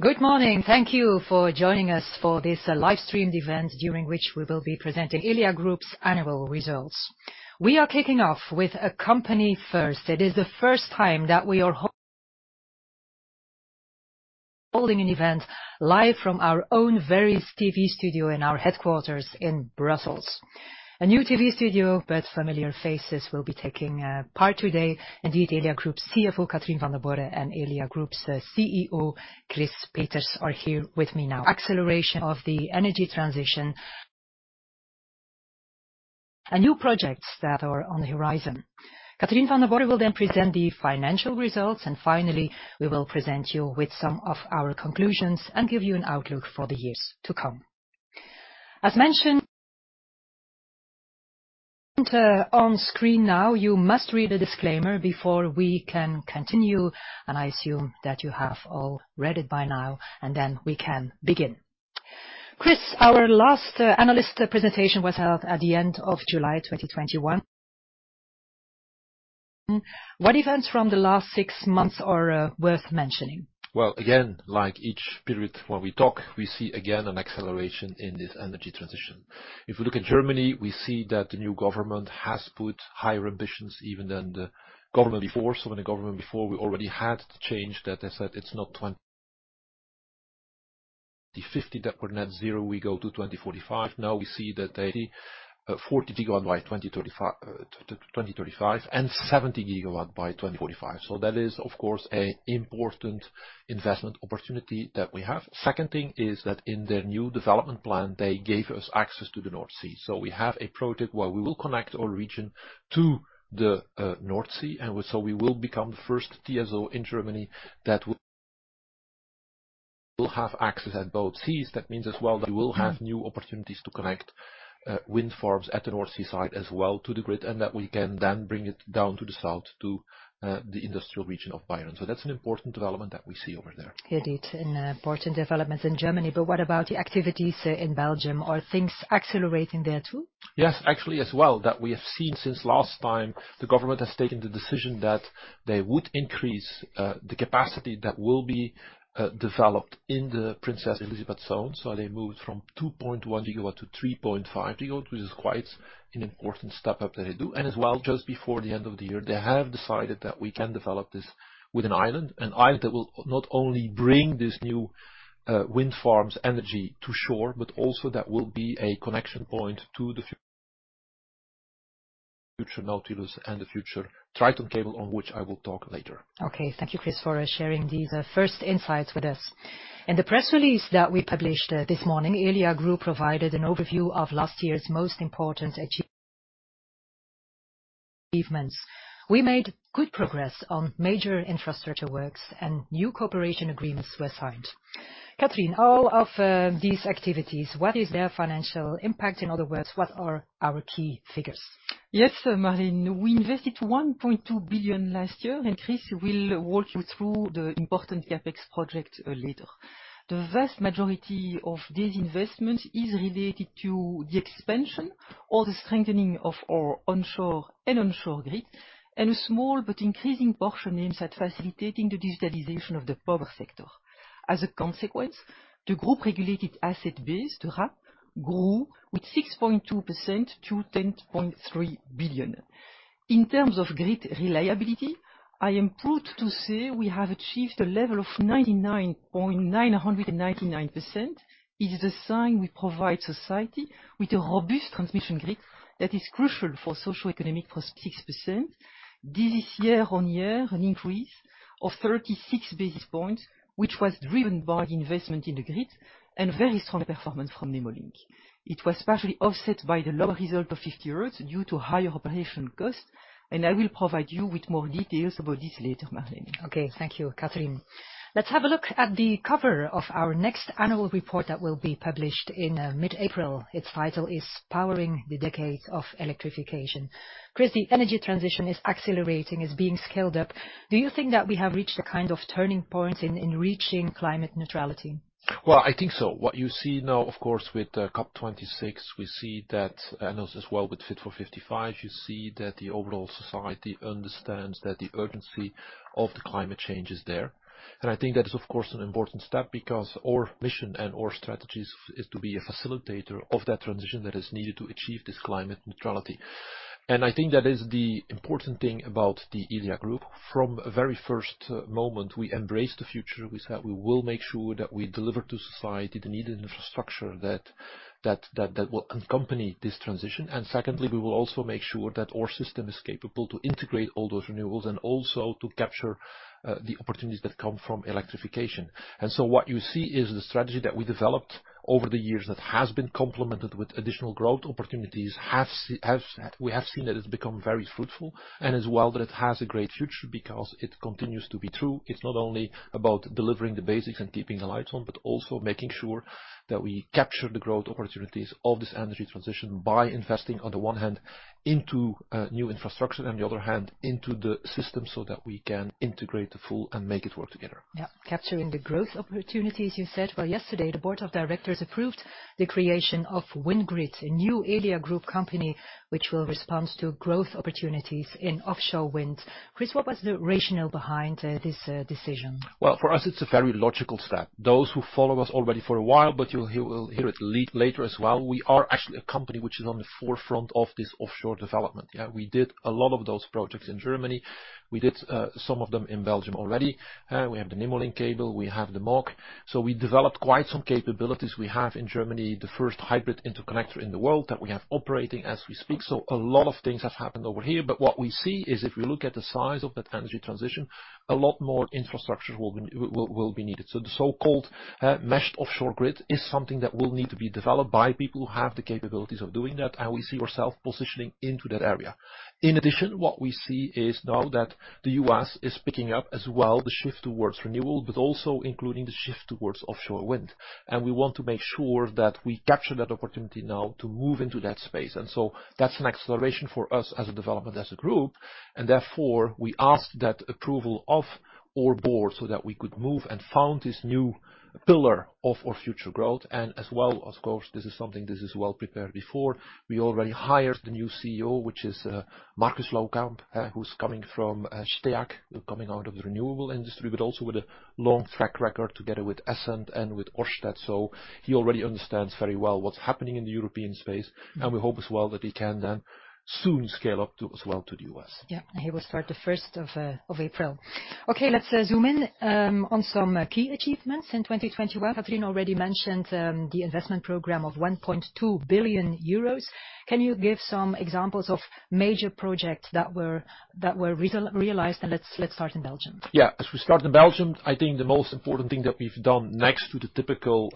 Good morning. Thank you for joining us for this live streamed event, during which we will be presenting Elia Group's annual results. We are kicking off with a company first. It is the first time that we are holding an event live from our own virtual TV studio in our headquarters in Brussels. A new TV studio, but familiar faces will be taking part today. Indeed, Elia Group CFO Catherine Vandenborre, and Elia Group's CEO Chris Peeters, are here with me now. Acceleration of the energy transition and new projects that are on the horizon. Catherine Vandenborre will then present the financial results, and finally, we will present you with some of our conclusions and give you an outlook for the years to come. As mentioned, on screen now, you must read the disclaimer before we can continue, and I assume that you have all read it by now, and then we can begin. Chris, our last analyst presentation was held at the end of July 2021. What events from the last six months are worth mentioning? Well, again, like each period when we talk, we see again an acceleration in this energy transition. If we look at Germany, we see that the new government has put higher ambitions even than the government before. In the government before, we already had the change that they said it's not 2050 that were net zero, we go to 2045. Now we see that they 40 GW by 2035 and 70 GW by 2045. That is, of course, an important investment opportunity that we have. Second thing is that in their new development plan, they gave us access to the North Sea. We have a project where we will connect our region to the North Sea, and we will become the first TSO in Germany that will have access at both seas. That means as well that we will have new opportunities to connect wind farms at the North Sea side as well to the grid, and that we can then bring it down to the south to the industrial region of Bayern. That's an important development that we see over there. Indeed, an important development in Germany. What about the activities in Belgium? Are things accelerating there too? Yes, actually as well, that we have seen since last time, the government has taken the decision that they would increase the capacity that will be developed in the Princess Elisabeth Zone. They moved from 2.1 GW to 3.5 GW, which is quite an important step up that they do. As well, just before the end of the year, they have decided that we can develop this with an island, an island that will not only bring this new wind farm's energy to shore, but also that will be a connection point to the future Nautilus and the future Triton Cable, on which I will talk later. Okay. Thank you, Chris, for sharing these first insights with us. In the press release that we published this morning, Elia Group provided an overview of last year's most important achievements. We made good progress on major infrastructure works and new cooperation agreements were signed. Catherine, all of these activities, what is their financial impact? In other words, what are our key figures? Yes, Marleen. We invested 1.2 billion last year, and Chris will walk you through the important CapEx project later. The vast majority of these investments is related to the expansion or the strengthening of our onshore and offshore grid, and a small but increasing portion aims at facilitating the digitalization of the power sector. As a consequence, the Group Regulated Asset Base, the RAB, grew with 6.2% to 10.3 billion. In terms of grid reliability, I am proud to say we have achieved a level of 99.999%. It is a sign we provide society with a robust transmission grid that is crucial for socioeconomic prosperity. This is year-over-year an increase of 36 basis points, which was driven by the investment in the grid and very strong performance from Nemo Link. It was partially offset by the lower result of 50Hertz due to higher operating costs, and I will provide you with more details about this later, Marleen. Okay. Thank you, Catherine. Let's have a look at the cover of our next annual report that will be published in mid-April. Its title is Powering the Decade of Electrification. Chris, the energy transition is accelerating, is being scaled up. Do you think that we have reached a kind of turning point in reaching climate neutrality? Well, I think so. What you see now, of course, with COP26, we see that, and as well with Fit for 55, you see that the overall society understands that the urgency of the climate change is there. I think that is, of course, an important step because our mission and our strategies is to be a facilitator of that transition that is needed to achieve this climate neutrality. I think that is the important thing about the Elia Group. From a very first moment, we embrace the future. We said we will make sure that we deliver to society the needed infrastructure that will accompany this transition. Secondly, we will also make sure that our system is capable to integrate all those renewables and also to capture the opportunities that come from electrification. What you see is the strategy that we developed over the years that has been complemented with additional growth opportunities. We have seen that it's become very fruitful as well that it has a great future because it continues to be true. It's not only about delivering the basics and keeping the lights on, but also making sure that we capture the growth opportunities of this energy transition by investing, on the one hand, into new infrastructure, and on the other hand, into the system so that we can integrate it all and make it work together. Yeah. Capturing the growth opportunities, you said. Well, yesterday, the Board of Directors approved the creation of WindGrid, a new Elia Group company which will respond to growth opportunities in offshore wind. Chris, what was the rationale behind this decision? Well, for us, it's a very logical step. Those who follow us already for a while, but you'll hear it later as well, we are actually a company which is on the forefront of this offshore development. Yeah. We did a lot of those projects in Germany. We did some of them in Belgium already. We have the Nemo Link cable, we have the MOG. We developed quite some capabilities. We have in Germany the first hybrid interconnector in the world that we have operating as we speak. A lot of things have happened over here. What we see is if we look at the size of that energy transition, a lot more infrastructure will be needed. The so-called meshed offshore grid is something that will need to be developed by people who have the capabilities of doing that, and we see ourselves positioning into that area. In addition, what we see is now that the U.S. is picking up as well the shift towards renewable, but also including the shift towards offshore wind. We want to make sure that we capture that opportunity now to move into that space. That's an acceleration for us as a development, as a Group, and therefore we ask for the approval of our Board so that we could move and found this new pillar of our future growth. As well, of course, this is something well prepared before. We already hired the new CEO, which is Markus Laukamp, who's coming from STEAG, coming out of the renewable industry, but also with a long track record together with Essent and with Ørsted. He already understands very well what's happening in the European space. We hope as well that he can then soon scale up to the U.S. Yeah. He will start the 1st of April. Okay. Let's zoom in on some key achievements in 2021. Katrien already mentioned the investment program of 1.2 billion euros. Can you give some examples of major projects that were realized? Let's start in Belgium. Yeah. As we start in Belgium, I think the most important thing that we've done next to the typical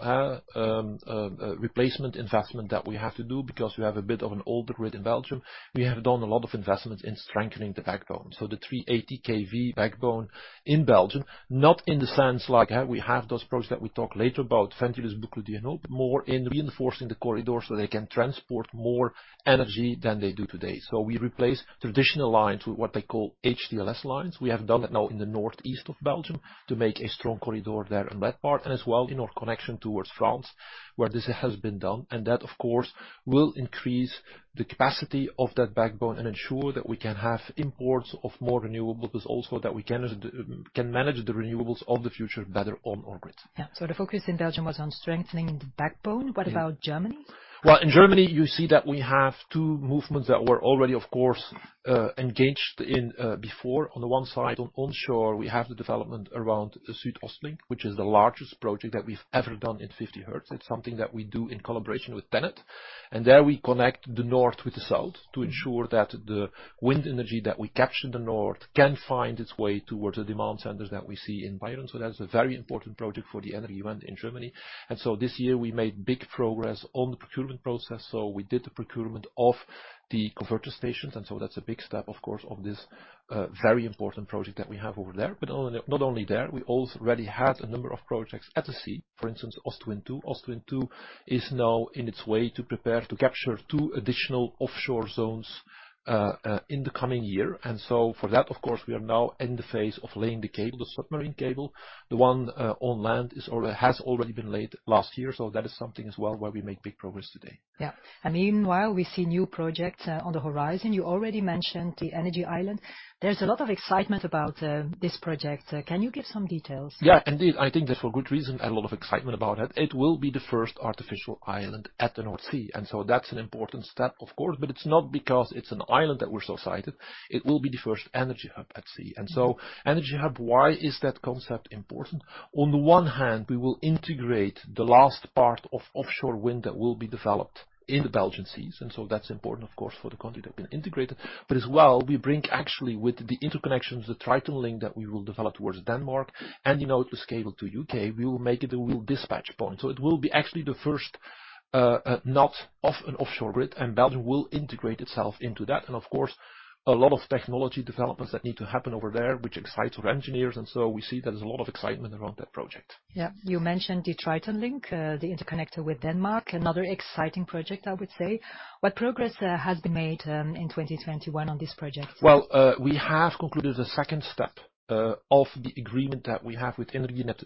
replacement investment that we have to do because we have a bit of an older grid in Belgium, we have done a lot of investments in strengthening the backbone. The 380 kV backbone in Belgium, not in the sense like we have those projects that we talk later about, Ventilus, Boucle du Hainaut, but more in reinforcing the corridor so they can transport more energy than they do today. We replace traditional lines with what they call HTLS lines. We have done that now in the northeast of Belgium to make a strong corridor there in that part, and as well in our connection towards France, where this has been done. That, of course, will increase the capacity of that backbone and ensure that we can have imports of more renewable, but also that we can manage the renewables of the future better on our grid. Yeah. The focus in Belgium was on strengthening the backbone. Yeah. What about Germany? Well, in Germany, you see that we have two movements that were already, of course, engaged in before. On the one side, on onshore, we have the development around the SuedOstLink, which is the largest project that we've ever done in 50Hertz. It's something that we do in collaboration with TenneT. There we connect the north with the south to ensure that the wind energy that we capture in the north can find its way towards the demand centers that we see in Bayern. That is a very important project for the Energiewende in Germany. This year we made big progress on the procurement process. We did the procurement of the converter stations, and that's a big step, of course, of this very important project that we have over there. Not only there, we also already had a number of projects at the sea. For instance, Ostwind 2. Ostwind 2 is now on its way to prepare to capture two additional offshore zones in the coming year. For that, of course, we are now in the phase of laying the cable, the submarine cable. The one on land is or has already been laid last year. That is something as well where we make big progress today. Yeah. Meanwhile, we see new projects on the horizon. You already mentioned the energy island. There's a lot of excitement about this project. Can you give some details? Yeah. Indeed, I think that for good reason, a lot of excitement about it. It will be the first artificial island at the North Sea, and so that's an important step, of course. It's not because it's an island that we're so excited. It will be the first energy hub at sea. Energy hub, why is that concept important? On the one hand, we will integrate the last part of offshore wind that will be developed in the Belgian seas, and so that's important, of course, for the country that can integrate it. As well, we bring actually with the interconnections, the TritonLink link that we will develop towards Denmark and, you know, Nautilus to the U.K., we will make it a real dispatch point. It will be actually the first node of an offshore grid, and Belgium will integrate itself into that. Of course, a lot of technology developments that need to happen over there, which excites our engineers, and so we see there's a lot of excitement around that project. Yeah. You mentioned the TritonLink link, the interconnector with Denmark, another exciting project, I would say. What progress has been made in 2021 on this project? Well, we have concluded the second step of the agreement that we have with Energinet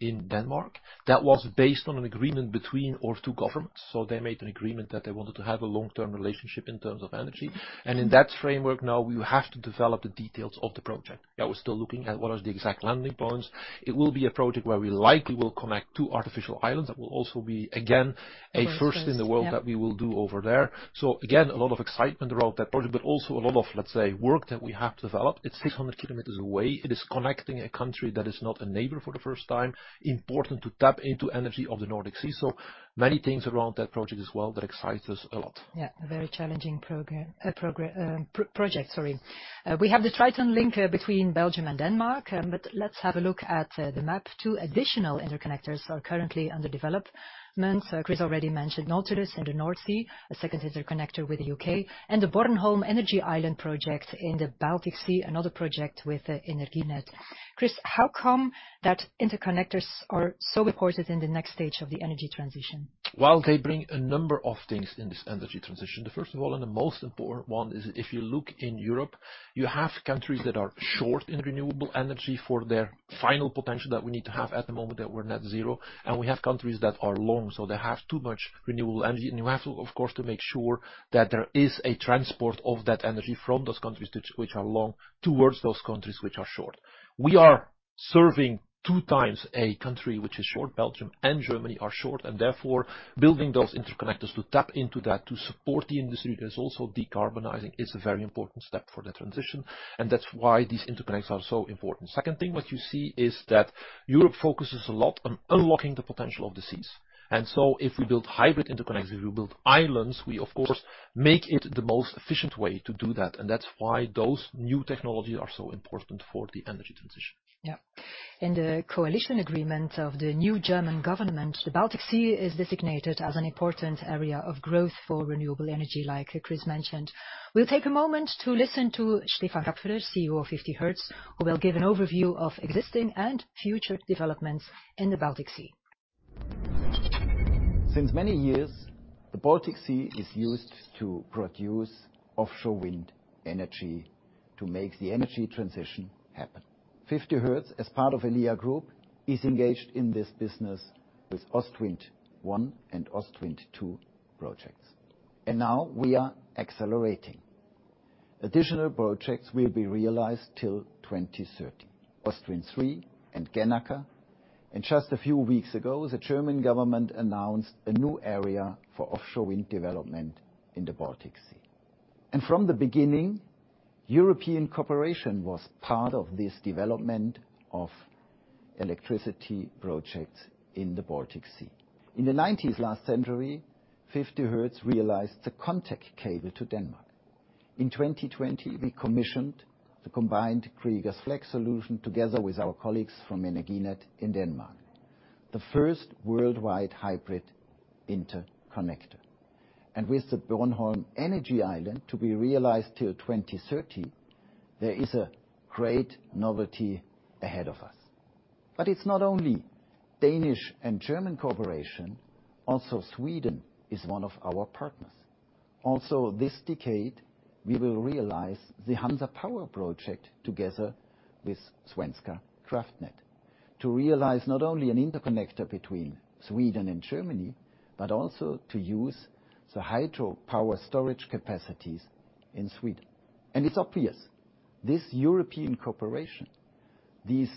in Denmark. That was based on an agreement between our two governments. They made an agreement that they wanted to have a long-term relationship in terms of energy. In that framework now we have to develop the details of the project. Yeah, we're still looking at what is the exact landing points. It will be a project where we likely will connect two artificial islands. That will also be again. The first, yeah. A first in the world that we will do over there. Again, a lot of excitement around that project, but also a lot of, let's say, work that we have developed. It's 600 km away. It is connecting a country that is not a neighbor for the first time, important to tap into energy of the Nordic sea. Many things around that project as well that excite us a lot. Yeah. A very challenging project, sorry. We have the TritonLink link between Belgium and Denmark, but let's have a look at the map. Two additional interconnectors are currently under development. Chris already mentioned Nautilus in the North Sea, a second interconnector with the U.K., and the Bornholm Energy Island project in the Baltic Sea, another project with Energinet. Chris, how come that interconnectors are so important in the next stage of the energy transition? Well, they bring a number of things in this energy transition. The first of all, and the most important one, is if you look in Europe, you have countries that are short in renewable energy for their final potential that we need to have at the moment that we're net zero, and we have countries that are long, so they have too much renewable energy. You have to, of course, to make sure that there is a transport of that energy from those countries which are long towards those countries which are short. We are serving two times a country which is short, Belgium and Germany are short, and therefore building those interconnectors to tap into that, to support the industry that's also decarbonizing, is a very important step for that transition. That's why these interconnects are so important. Second thing, what you see is that Europe focuses a lot on unlocking the potential of the seas. If we build hybrid interconnects, if we build islands, we of course make it the most efficient way to do that. That's why those new technologies are so important for the energy transition. In the coalition agreement of the new German government, the Baltic Sea is designated as an important area of growth for renewable energy, like Chris mentioned. We'll take a moment to listen to Stefan Kapferer, CEO of 50Hertz, who will give an overview of existing and future developments in the Baltic Sea. For many years, the Baltic Sea is used to produce offshore wind energy to make the energy transition happen. 50Hertz, as part of Elia Group, is engaged in this business with Ostwind 1 and Ostwind 2 projects. Now we are accelerating. Additional projects will be realized till 2030, Ostwind 3 and Gennaker. Just a few weeks ago, the German government announced a new area for offshore wind development in the Baltic Sea. From the beginning, European cooperation was part of this development of electricity projects in the Baltic Sea. In the 1990s last century, 50Hertz realized the Kontek cable to Denmark. In 2020, we commissioned the combined Kriegers Flak solution together with our colleagues from Energinet in Denmark, the first worldwide hybrid interconnector. With the Bornholm Energy Island to be realized till 2030, there is a great novelty ahead of us. It's not only Danish and German cooperation, also Sweden is one of our partners. This decade, we will realize the Hansa PowerBridge project together with Svenska kraftnät, to realize not only an interconnector between Sweden and Germany, but also to use the hydro power storage capacities in Sweden. It's obvious, this European cooperation, this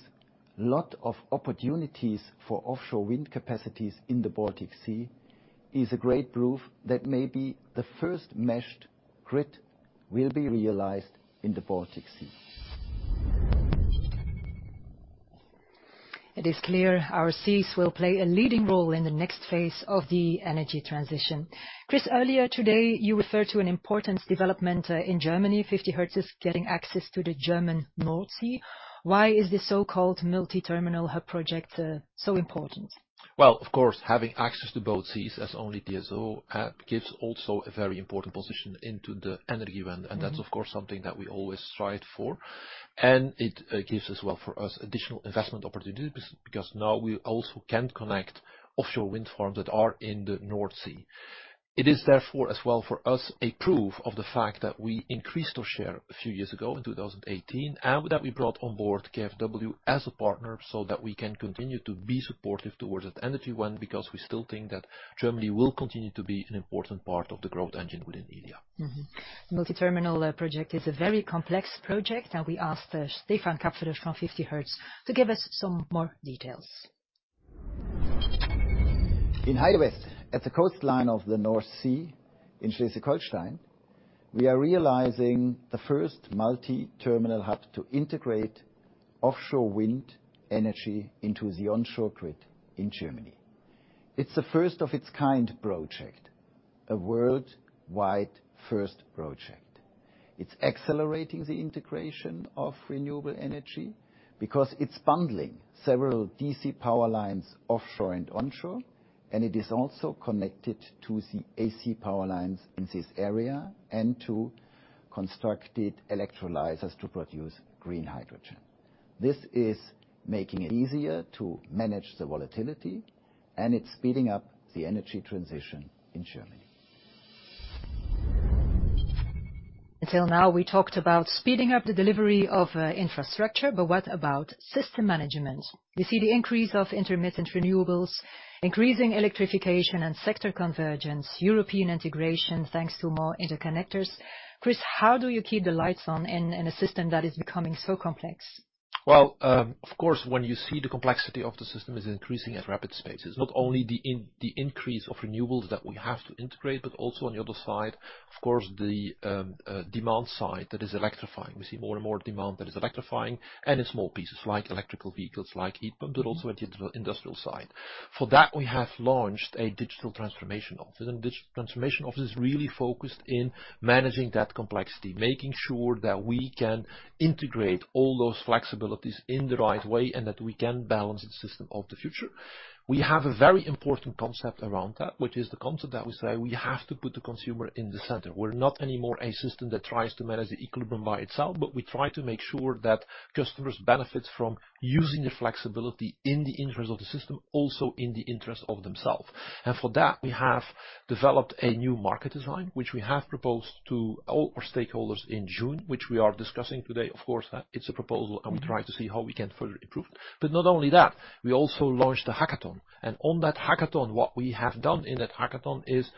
lot of opportunities for offshore wind capacities in the Baltic Sea is a great proof that maybe the first meshed grid will be realized in the Baltic Sea. It is clear our seas will play a leading role in the next phase of the energy transition. Chris, earlier today, you referred to an important development in Germany, 50Hertz is getting access to the German North Sea. Why is this so-called multi-terminal hub project so important? Well, of course, having access to both seas as only TSO gives also a very important position into the energy trend. Mm-hmm. That's of course something that we always strive for. It gives as well for us additional investment opportunities, because now we also can connect offshore wind farms that are in the North Sea. It is therefore as well for us a proof of the fact that we increased our share a few years ago in 2018, and that we brought on board KfW as a partner so that we can continue to be supportive towards that energy trend, because we still think that Germany will continue to be an important part of the growth engine within Elia. Multi-terminal project is a very complex project, and we ask Stefan Kapferer from 50Hertz to give us some more details. In Heide West, at the coastline of the North Sea in Schleswig-Holstein, we are realizing the first multi-terminal hub to integrate offshore wind energy into the onshore grid in Germany. It's the first of its kind project, a worldwide first project. It's accelerating the integration of renewable energy because it's bundling several DC power lines offshore and onshore, and it is also connected to the AC power lines in this area and to constructed electrolyzers to produce green hydrogen. This is making it easier to manage the volatility, and it's speeding up the energy transition in Germany. Until now, we talked about speeding up the delivery of infrastructure, but what about system management? You see the increase of intermittent renewables, increasing electrification and sector convergence, European integration, thanks to more interconnectors. Chris, how do you keep the lights on in a system that is becoming so complex? Well, of course, when you see the complexity of the system is increasing at a rapid pace, not only the increase of renewables that we have to integrate, but also on the other side, of course, the demand side that is electrifying. We see more and more demand that is electrifying and in small pieces, like electric vehicles, like heat pumps also at the industrial side. For that, we have launched a digital transformation office. Digital transformation office is really focused on managing that complexity, making sure that we can integrate all those flexibilities in the right way and that we can balance the system of the future. We have a very important concept around that, which is the concept that we say we have to put the consumer in the center. We're not anymore a system that tries to manage the equilibrium by itself, but we try to make sure that customers benefit from using the flexibility in the interest of the system, also in the interest of themselves. For that, we have developed a new market design, which we have proposed to all our stakeholders in June, which we are discussing today. Of course, it's a proposal. We try to see how we can further improve. Not only that, we also launched a hackathon. On that hackathon, what we have done in that hackathon is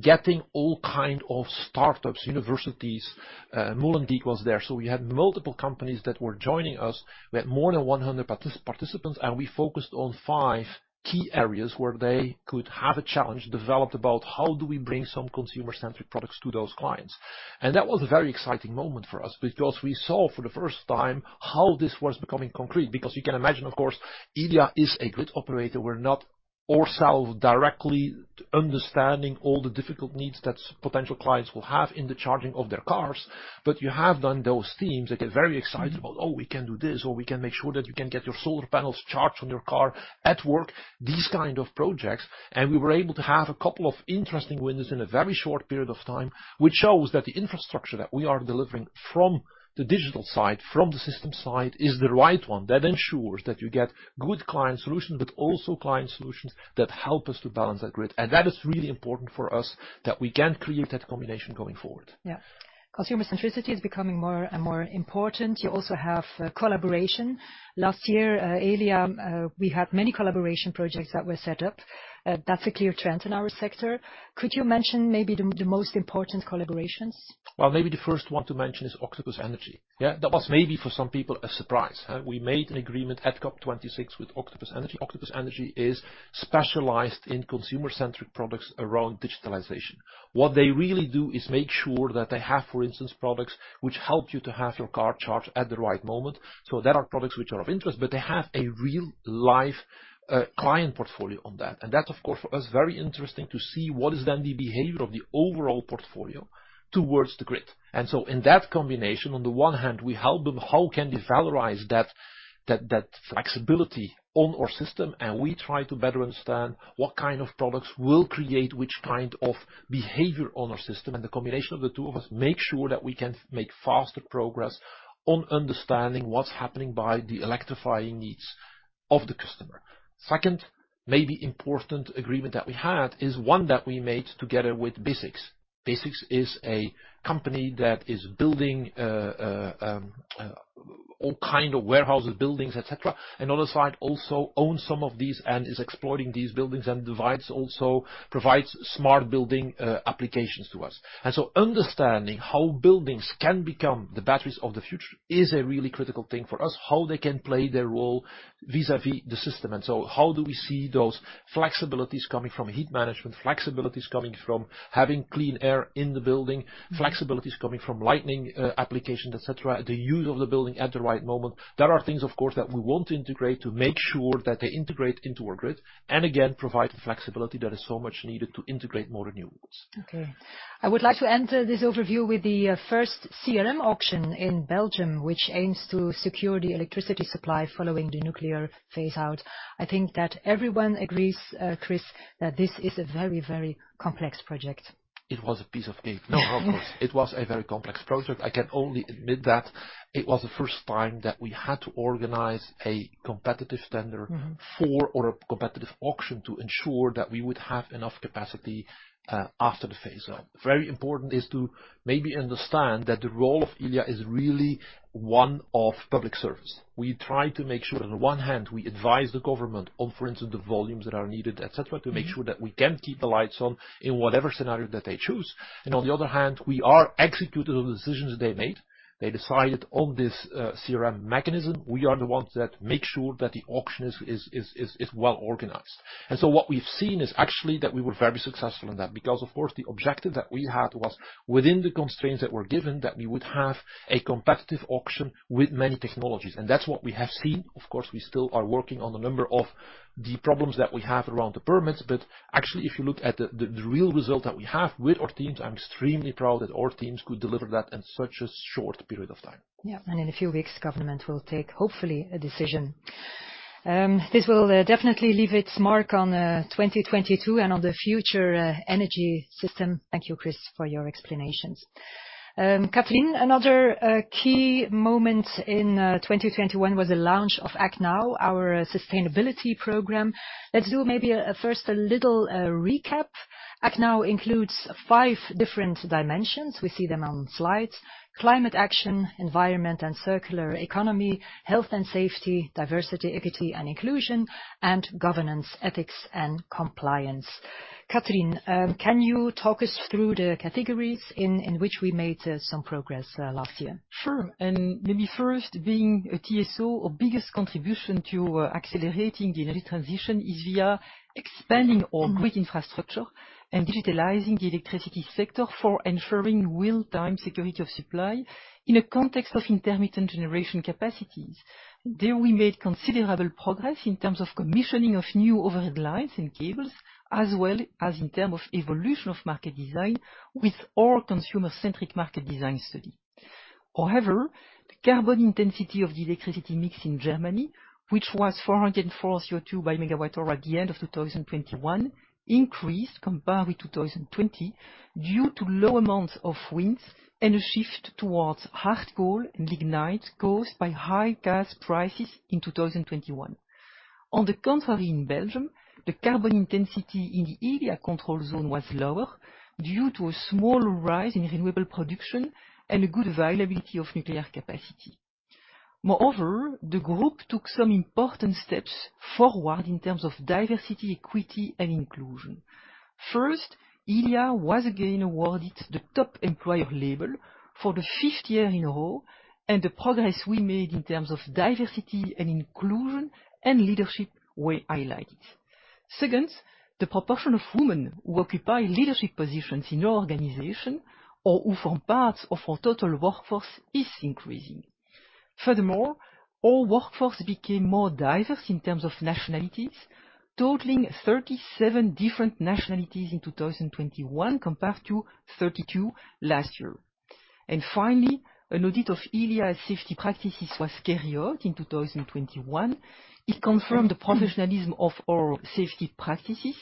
getting all kinds of startups, universities, MolenGeek was there. We had multiple companies that were joining us. We had more than 100 participants, and we focused on five key areas where they could have a challenge developed about how do we bring some consumer-centric products to those clients. That was a very exciting moment for us because we saw for the first time how this was becoming concrete. Because you can imagine, of course, Elia is a grid operator. We're not a retailer or sell directly, understanding all the difficult needs that potential clients will have in the charging of their cars, but you have done those themes. They get very excited about, "Oh, we can do this," or, "We can make sure that you can get your solar panels charged on your car at work," these kind of projects. We were able to have a couple of interesting winners in a very short period of time, which shows that the infrastructure that we are delivering from the digital side, from the system side, is the right one. That ensures that you get good client solutions, but also client solutions that help us to balance that grid. That is really important for us that we can create that combination going forward. Yeah. Consumer centricity is becoming more and more important. You also have collaboration. Last year, Elia, we had many collaboration projects that were set up. That's a clear trend in our sector. Could you mention maybe the most important collaborations? Well, maybe the first one to mention is Octopus Energy. Yeah, that was maybe for some people a surprise, huh? We made an agreement at COP26 with Octopus Energy. Octopus Energy is specialized in consumer-centric products around digitalization. What they really do is make sure that they have, for instance, products which help you to have your car charged at the right moment. There are products which are of interest, but they have a real-life client portfolio on that. That, of course, for us, is very interesting to see what is then the behavior of the overall portfolio towards the grid. In that combination, on the one hand, we help them how can they valorize that flexibility on our system, and we try to better understand what kind of products will create which kind of behavior on our system. The combination of the two of us make sure that we can make faster progress on understanding what's happening with the electrification needs of the customer. Second maybe important agreement that we had is one that we made together with BESIX. BESIX is a company that is building all kind of warehouses, buildings, et cetera. Another side also owns some of these and is exploiting these buildings and provides smart building applications to us. Understanding how buildings can become the batteries of the future is a really critical thing for us. How they can play their role vis-a-vis the system. How do we see those flexibilities coming from heat management, flexibilities coming from having clean air in the building, flexibilities coming from lighting applications, et cetera, the use of the building at the right moment. There are things, of course, that we want to integrate to make sure that they integrate into our grid, and again, provide the flexibility that is so much needed to integrate more renewables. Okay. I would like to end this overview with the first CRM auction in Belgium, which aims to secure the electricity supply following the nuclear phase-out. I think that everyone agrees, Chris, that this is a very, very complex project. It was a piece of cake. No, of course, it was a very complex project. I can only admit that it was the first time that we had to organize a competitive tender. For, or a competitive auction to ensure that we would have enough capacity after the phase-out. Very important is to maybe understand that the role of Elia is really one of public service. We try to make sure on the one hand, we advise the government on, for instance, the volumes that are needed, et cetera to make sure that we can keep the lights on in whatever scenario that they choose. On the other hand, we are executing the decisions they made. They decided on this CRM mechanism. We are the ones that make sure that the auction is well organized. What we've seen is actually that we were very successful in that. Because of course, the objective that we had was within the constraints that were given, that we would have a competitive auction with many technologies. That's what we have seen. Of course, we still are working on a number of the problems that we have around the permits. Actually, if you look at the real result that we have with our teams, I'm extremely proud that our teams could deliver that in such a short period of time. In a few weeks, government will take, hopefully, a decision. This will definitely leave its mark on 2022 and on the future energy system. Thank you, Chris, for your explanations. Catherine, another key moment in 2021 was the launch of ActNow, our sustainability program. Let's do maybe first a little recap. ActNow includes five different dimensions. We see them on slide: climate action, environment and circular economy, health and safety, diversity, equity, and inclusion, and governance, ethics and compliance. Catherine, can you talk us through the categories in which we made some progress last year? Sure. Maybe first, being a TSO, our biggest contribution to accelerating the energy transition is via expanding our grid infrastructure and digitalizing the electricity sector for ensuring real-time security of supply in a context of intermittent generation capacities. There, we made considerable progress in terms of commissioning of new overhead lines and cables, as well as in term of evolution of market design with our consumer-centric market design study. However, the carbon intensity of the electricity mix in Germany, which was 404 CO2/MWh at the end of 2021, increased compared with 2020 due to low amounts of winds and a shift towards hard coal and lignite caused by high gas prices in 2021. On the contrary, in Belgium, the carbon intensity in the Elia control zone was lower due to a small rise in renewable production and a good availability of nuclear capacity. Moreover, the Group took some important steps forward in terms of diversity, equity, and inclusion. First, Elia was again awarded the Top Employer label for the fifth year in a row, and the progress we made in terms of diversity and inclusion and leadership were highlighted. Second, the proportion of women who occupy leadership positions in our organization or who form part of our total workforce is increasing. Furthermore, our workforce became more diverse in terms of nationalities, totaling 37 different nationalities in 2021 compared to 32 last year. Finally, an audit of Elia's safety practices was carried out in 2021. It confirmed the professionalism of our safety practices,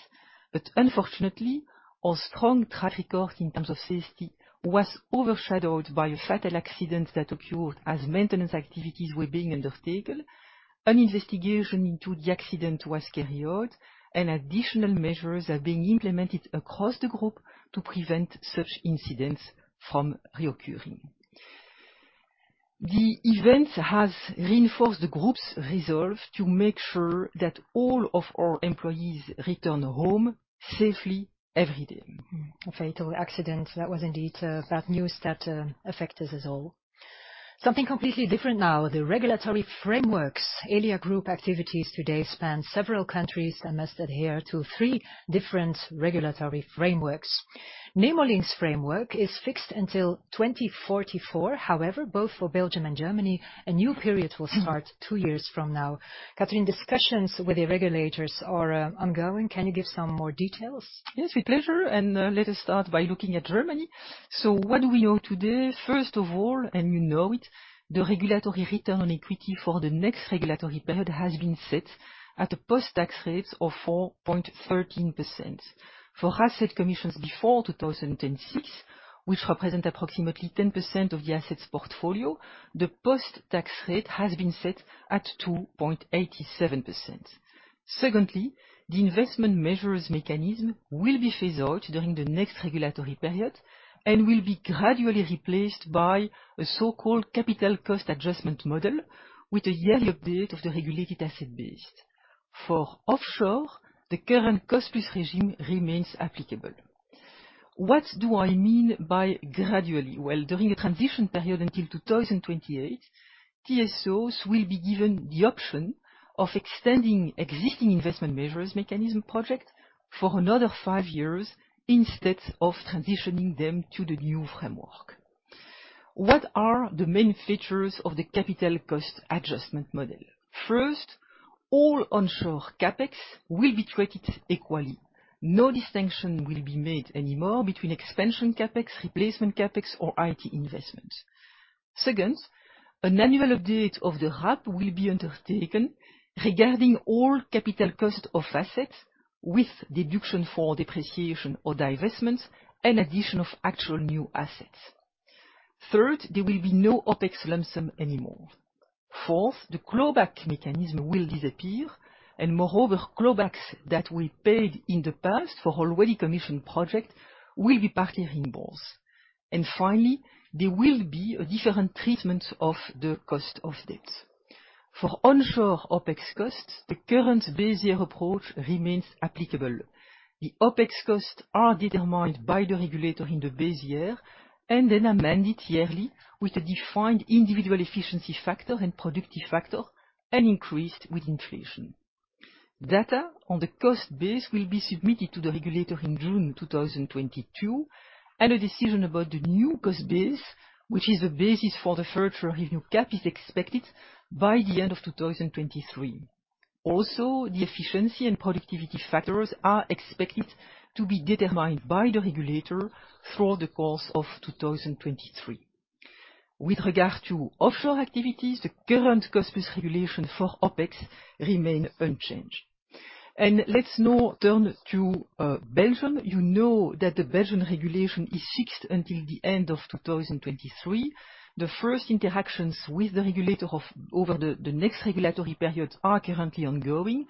but unfortunately, our strong track record in terms of safety was overshadowed by a fatal accident that occurred as maintenance activities were being undertaken. An investigation into the accident was carried out, and additional measures are being implemented across the Group to prevent such incidents from reoccurring. The event has reinforced the Group's resolve to make sure that all of our employees return home safely every day. A fatal accident. That was indeed bad news that affects us all. Something completely different now. The regulatory frameworks. Elia Group activities today span several countries and must adhere to three different regulatory frameworks. Nemo Link's framework is fixed until 2044. However, both for Belgium and Germany, a new period will start 2 years from now. Catherine, discussions with the regulators are ongoing. Can you give some more details? Yes, with pleasure, let us start by looking at Germany. What do we know today? First of all, you know it, the regulatory return on equity for the next regulatory period has been set at a post-tax rate of 4.13%. For assets commissioned before 2006, which represent approximately 10% of the asset portfolio, the post-tax rate has been set at 2.87%. Secondly, the investment measures mechanism will be phased out during the next regulatory period and will be gradually replaced by a so-called capital cost adjustment model with a yearly update of the Regulated Asset Base. For offshore, the current cost-plus regime remains applicable. What do I mean by gradually? Well, during a transition period until 2028, TSOs will be given the option of extending existing investment measures mechanism project for another 5 years instead of transitioning them to the new framework. What are the main features of the capital cost adjustment model? First, all onshore CapEx will be treated equally. No distinction will be made anymore between expansion CapEx, replacement CapEx or IT investments. Second, an annual update of the RAB will be undertaken regarding all capital cost of assets with deduction for depreciation or divestments and addition of actual new assets. Third, there will be no OpEx lump sum anymore. Fourth, the clawback mechanism will disappear, and moreover, clawbacks that we paid in the past for already commissioned project will be partly reimbursed. Finally, there will be a different treatment of the cost of debt. For onshore OpEx costs, the current base year approach remains applicable. The OpEx costs are determined by the regulator in the base year and then amended yearly with a defined individual efficiency factor and productivity factor, and increased with inflation. Data on the cost base will be submitted to the regulator in June 2022, and a decision about the new cost base, which is the basis for the further revenue cap, is expected by the end of 2023. Also, the efficiency and productivity factors are expected to be determined by the regulator through the course of 2023. With regard to offshore activities, the current cost-plus regulation for OpEx remain unchanged. Let's now turn to Belgium. You know that the Belgian regulation is fixed until the end of 2023. The first interactions with the regulator over the next regulatory period are currently ongoing.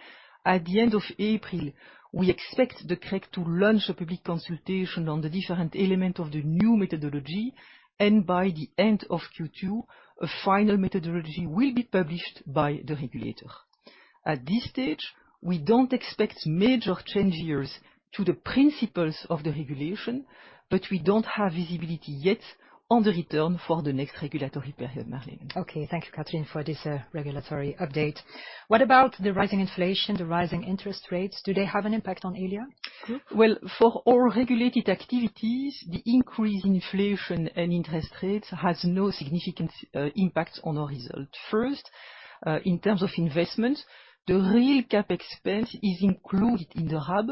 At the end of April, we expect the CREG to launch a public consultation on the different element of the new methodology, and by the end of Q2, a final methodology will be published by the regulator. At this stage, we don't expect major changes to the principles of the regulation, but we don't have visibility yet on the return for the next regulatory period, Marleen. Okay. Thank you, Catherine, for this regulatory update. What about the rising inflation, the rising interest rates? Do they have an impact on Elia Group? Well, for all regulated activities, the increased inflation and interest rates has no significant impact on our result. First, in terms of investment, the real CapEx spend is included in the hub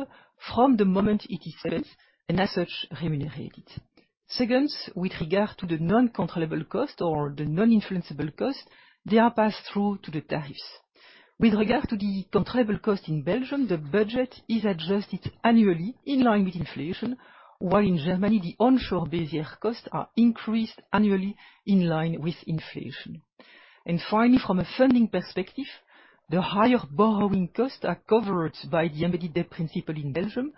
from the moment it is spent, and as such, remunerated. Second, with regard to the non-controllable cost or the non-influencable cost, they are passed through to the tariffs. With regard to the controllable cost in Belgium, the budget is adjusted annually in line with inflation, while in Germany, the onshore base year costs are increased annually in line with inflation. Finally, from a funding perspective, the higher borrowing costs are covered by the embedded debt principle in Belgium,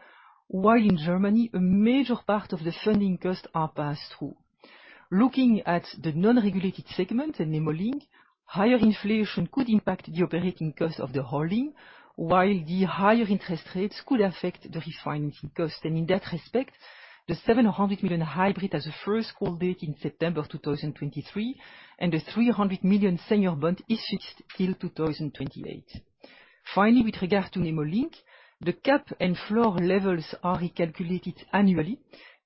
while in Germany, a major part of the funding costs are passed through. Looking at the non-regulated segment in Nemo Link, higher inflation could impact the operating cost of the holding, while the higher interest rates could affect the refinancing cost. In that respect, the 700 million hybrid has a first call date in September 2023, and the 300 million senior bond is fixed till 2028. Finally, with regard to Nemo Link, the cap and floor levels are recalculated annually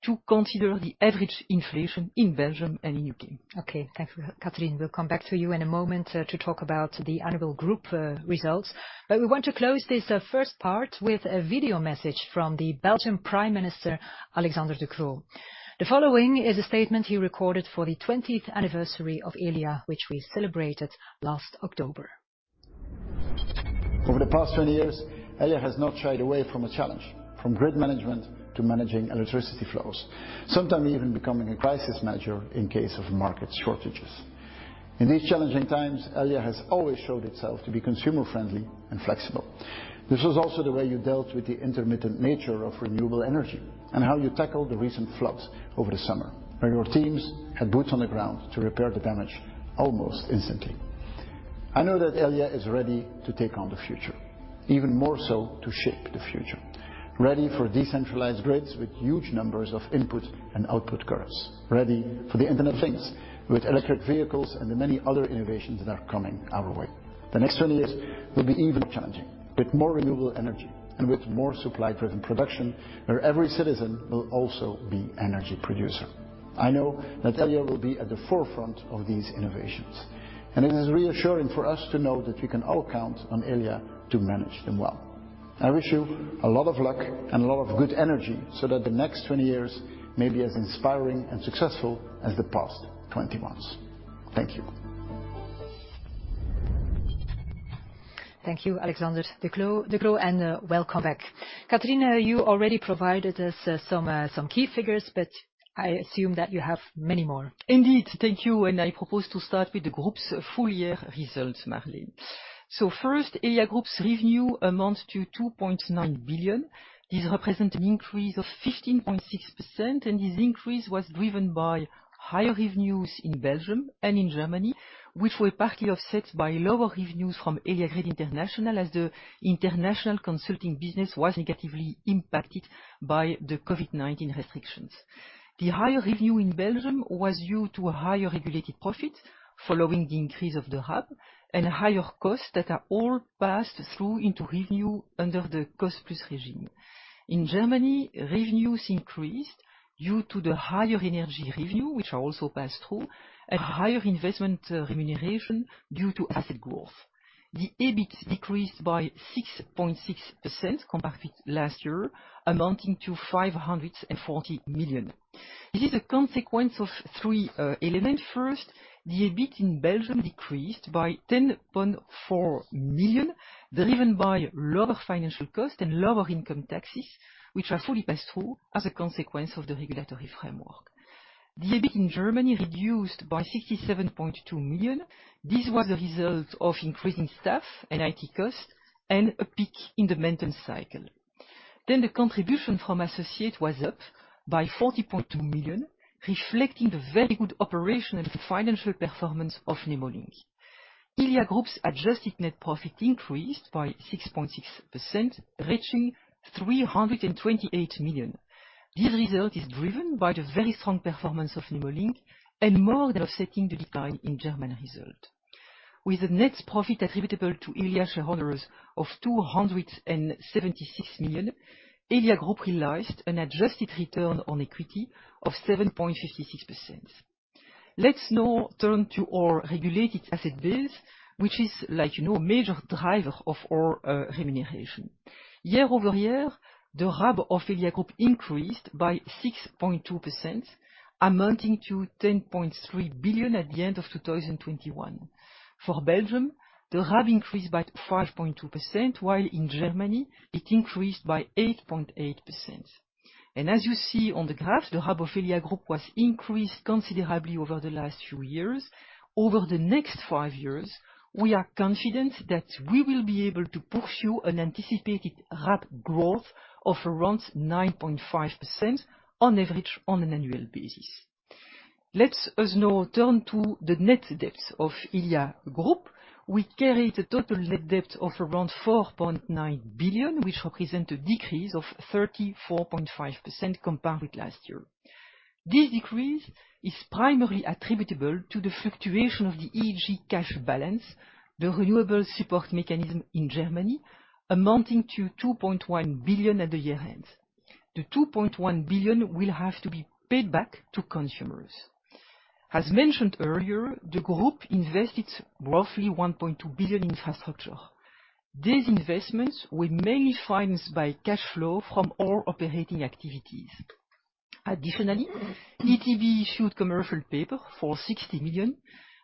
to consider the average inflation in Belgium and in the U.K. Okay. Thank you, Catherine. We'll come back to you in a moment to talk about the annual Group results. We want to close this first part with a video message from the Belgian Prime Minister, Alexander De Croo. The following is a statement he recorded for the twentieth anniversary of Elia, which we celebrated last October. Over the past 20 years, Elia has not shied away from a challenge, from grid management to managing electricity flows. Sometimes even becoming a crisis manager in case of market shortages. In these challenging times, Elia has always showed itself to be consumer-friendly and flexible. This was also the way you dealt with the intermittent nature of renewable energy, and how you tackled the recent floods over the summer, where your teams had boots on the ground to repair the damage almost instantly. I know that Elia is ready to take on the future, even more so, to shape the future. Ready for decentralized grids with huge numbers of input and output curves. Ready for the Internet of Things with electric vehicles and the many other innovations that are coming our way. The next 20 years will be even challenging. With more renewable energy and with more supply-driven production, where every citizen will also be energy producer. I know that Elia will be at the forefront of these innovations, and it is reassuring for us to know that we can all count on Elia to manage them well. I wish you a lot of luck and a lot of good energy so that the next 20 years may be as inspiring and successful as the past 20 ones. Thank you. Thank you, Alexander De Croo, and welcome back. Catherine, you already provided us some key figures, but I assume that you have many more. Indeed. Thank you. I propose to start with the Group's full-year results, Marleen. First, Elia Group's revenue amounts to 2.9 billion. This represents an increase of 15.6%, and this increase was driven by higher revenues in Belgium and in Germany, which were partly offset by lower revenues from Elia Grid International, as the international consulting business was negatively impacted by the COVID-19 restrictions. The higher revenue in Belgium was due to a higher regulated profit following the increase of the RAB, and higher costs that are all passed through into revenue under the cost-plus regime. In Germany, revenues increased due to the higher energy revenue, which are also passed through, and higher investment remuneration due to asset growth. The EBIT decreased by 6.6% compared with last year, amounting to 540 million. This is a consequence of three elements. First, the EBIT in Belgium decreased by 10.4 million, driven by lower financial costs and lower income taxes, which are fully passed through as a consequence of the regulatory framework. The EBIT in Germany reduced by 67.2 million. This was a result of increasing staff and IT costs and a peak in the maintenance cycle. The contribution from associate was up by 40.2 million, reflecting the very good operation and financial performance of Nemo Link. Elia Group's adjusted net profit increased by 6.6%, reaching 328 million. This result is driven by the very strong performance of Nemo Link, and more than offsetting the decline in German result. With the net profit attributable to elia Group shareholders of 276 million, Elia Group realized an adjusted return on equity of 7.66%. Let's now turn to our Regulated Asset Base, which is a major driver of our remuneration. Year-over-year, the RAB of Elia Group increased by 6.2%, amounting to 10.3 billion at the end of 2021. For Belgium, the RAB increased by 5.2%, while in Germany it increased by 8.8%. As you see on the graph, the RAB of Elia Group increased considerably over the last few years. Over the next five years, we are confident that we will be able to pursue an anticipated RAB growth of around 9.5% on average on an annual basis. Let us now turn to the net debt of Elia Group. We carry the total net debt of around 4.9 billion, which represent a decrease of 34.5% compared with last year. This decrease is primarily attributable to the fluctuation of the EEG cash balance, the renewable support mechanism in Germany, amounting to 2.1 billion at the year-end. The 2.1 billion will have to be paid back to consumers. As mentioned earlier, the Group invested roughly 1.2 billion infrastructure. These investments were mainly financed by cash flow from our operating activities. Additionally, ETBE issued commercial paper for 60 million,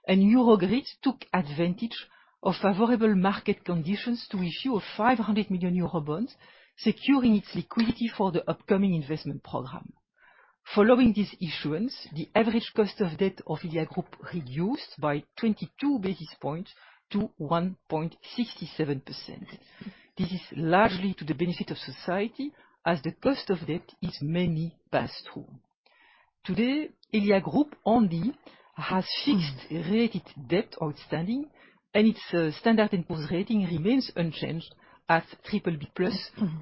and Eurogrid took advantage of favorable market conditions to issue a 500 million euro bond, securing its liquidity for the upcoming investment program. Following this issuance, the average cost of debt of Elia Group reduced by 22 basis points to 1.67%. This is largely to the benefit of society as the cost of debt is mainly passed through. Today, Elia Group only has fixed rated debt outstanding, and its Standard & Poor's rating remains unchanged at BBB+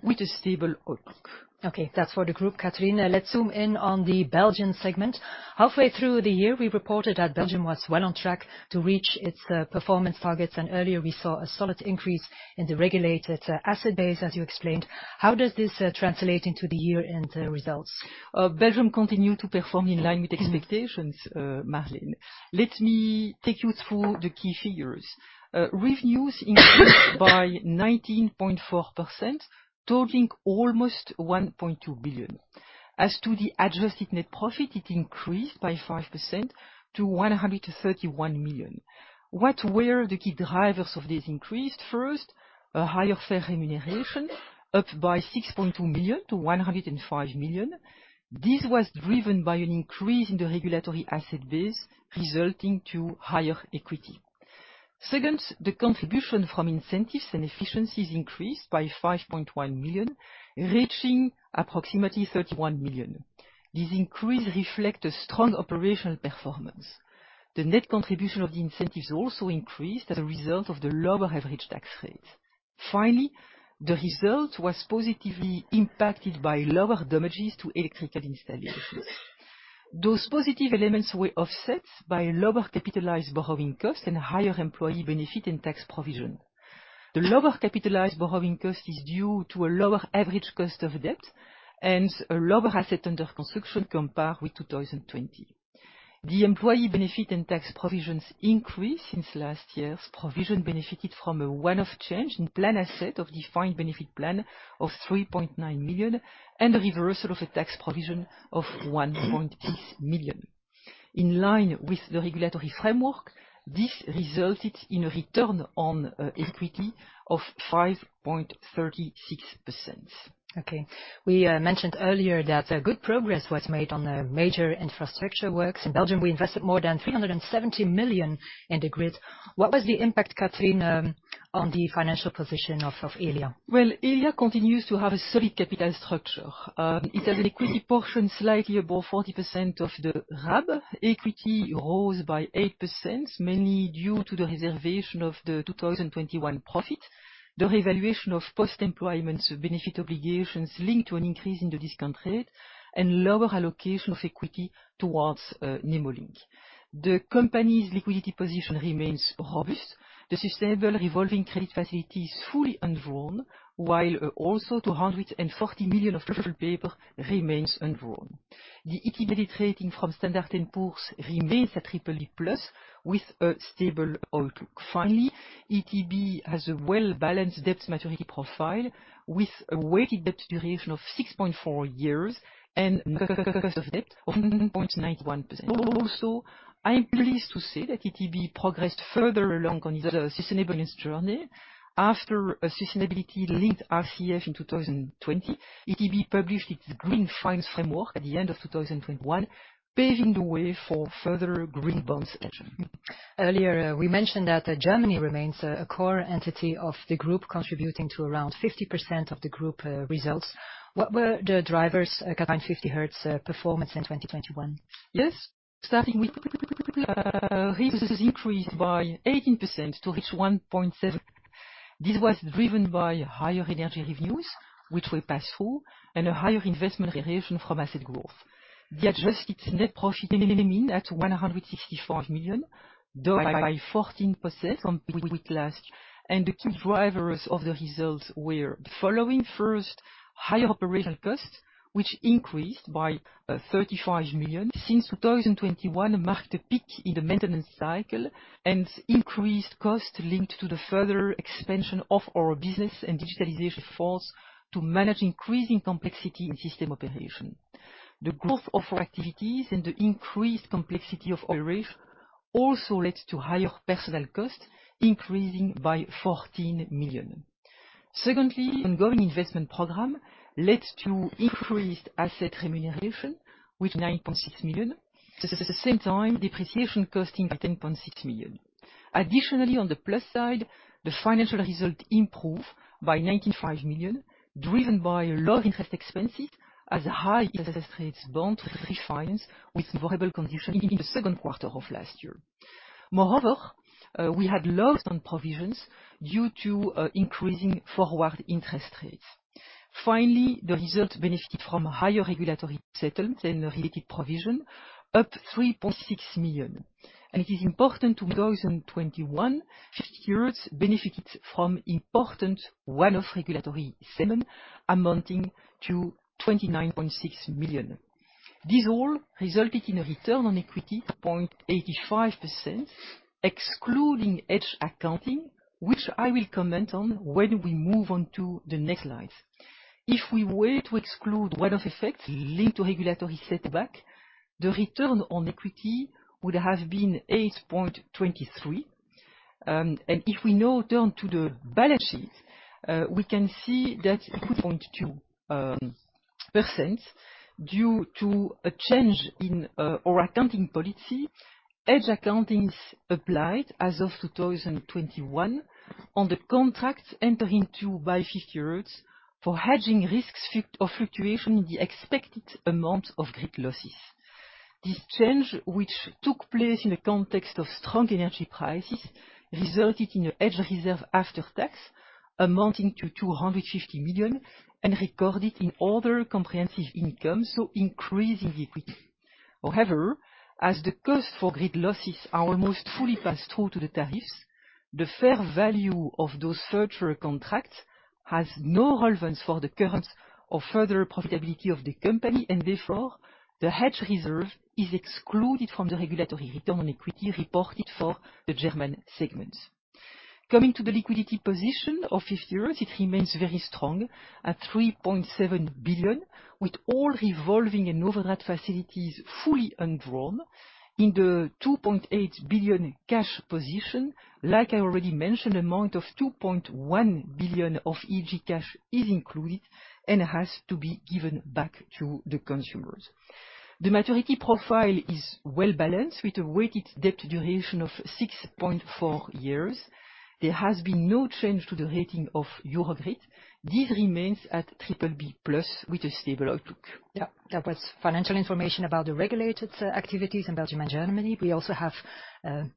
with a stable outlook. Okay, that's for the Group, Catherine. Let's zoom in on the Belgian segment. Halfway through the year, we reported that Belgium was well on track to reach its performance targets, and earlier we saw a solid increase in the Regulated Asset Base, as you explained. How does this translate into the year-end results? Belgium continued to perform in line with expectations, Marleen. Let me take you through the key figures. Revenues increased by 19.4%, totaling almost 1.2 billion. As to the adjusted net profit, it increased by 5% to 131 million. What were the key drivers of this increase? First, a higher fair remuneration, up by 6.2 million to 105 million. This was driven by an increase in the regulatory asset base, resulting to higher equity. Second, the contribution from incentives and efficiencies increased by 5.1 million, reaching approximately 31 million. This increase reflect a strong operational performance. The net contribution of the incentives also increased as a result of the lower average tax rate. Finally, the result was positively impacted by lower damages to electrical installations. Those positive elements were offset by lower capitalized borrowing costs and higher employee benefit and tax provision. The lower capitalized borrowing cost is due to a lower average cost of debt and a lower asset under construction compared with 2020. The employee benefit and tax provisions increased since last year's provision benefited from a one-off change in plan asset of defined benefit plan of 3.9 million, and a reversal of a tax provision of 1.6 million. In line with the regulatory framework, this resulted in a return on equity of 5.36%. Okay. We mentioned earlier that good progress was made on major infrastructure works. In Belgium, we invested more than 370 million in the grid. What was the impact, Catherine, on the financial position of Elia? Well, Elia continues to have a solid capital structure. It has liquidity portion slightly above 40% of the RAB. Equity rose by 8%, mainly due to the reservation of the 2021 profit, the revaluation of post-employment benefit obligations linked to an increase in the discount rate and lower allocation of equity towards Nemo Link. The company's liquidity position remains robust. The sustainable revolving credit facility is fully undrawn, while also 240 million of paper remains undrawn. The ETB credit rating from Standard & Poor's remains at BBB+ with a stable outlook. Finally, ETB has a well-balanced debt maturity profile with a weighted debt duration of 6.4 years and cost of debt of 0.91%. Also, I'm pleased to say that ETB progressed further along on its sustainability journey after a sustainability-linked RCF in 2020. ETB published its Green Finance Framework at the end of 2021, paving the way for further green bonds issuance. Earlier, we mentioned that Germany remains a core entity of the Group, contributing to around 50% of the Group results. What were the drivers behind 50Hertz performance in 2021? Yes. Starting with, resources increased by 18% to reach 1.7. This was driven by higher energy revenues, which were passed through, and a higher investment realization from asset growth. The adjusted net profit came in at 165 million, down by 14% with last. The key drivers of the results were the following. First, higher operational costs, which increased by 35 million since 2021 marked a peak in the maintenance cycle, and increased cost linked to the further expansion of our business and digitalization efforts to manage increasing complexity in system operation. The growth of our activities and the increased complexity of operation also led to higher personnel costs, increasing by 14 million. Secondly, ongoing investment program led to increased asset remuneration with 9.6 million. At the same time, depreciation cost 10.6 million. Additionally, on the plus side, the financial result improved by 95 million, driven by low interest expenses as high interest rate bonds refinanced with favorable conditions in the second quarter of last year. Moreover, we had a loss on provisions due to increasing forward interest rates. Finally, the results benefited from higher regulatory settlements and related provisions, up 3.6 million. It is important in 2021, 50Hertz benefited from important one-off regulatory settlement amounting to 29.6 million. This all resulted in a return on equity of 0.85%, excluding hedge accounting, which I will comment on when we move on to the next slide. If we were to exclude one-off effects linked to regulatory settlements, the return on equity would have been 8.23%. If we now turn to the balance sheet, we can see that 18.2% due to a change in our accounting policy. Hedge accounting applied as of 2021 on the contracts entered into by 50Hertz for hedging risks or fluctuation in the expected amount of grid losses. This change, which took place in the context of strong energy prices, resulted in a hedge reserve after tax amounting to 250 million, and recorded in other comprehensive income, so increasing the equity. However, as the cost for grid losses are almost fully passed through to the tariffs, the fair value of those future contracts has no relevance for the current or further profitability of the company. Therefore, the hedge reserve is excluded from the regulatory return on equity reported for the German segments. Coming to the liquidity position of 50Hertz, it remains very strong at 3.7 billion, with all revolving and overnight facilities fully undrawn. In the 2.8 billion cash position, like I already mentioned, amount of 2.1 billion of EEG cash is included and has to be given back to the consumers. The maturity profile is well-balanced, with a weighted debt duration of 6.4 years. There has been no change to the rating of Eurogrid. This remains at BBB+ with a stable outlook. Yeah. That was financial information about the regulated activities in Belgium and Germany. We also have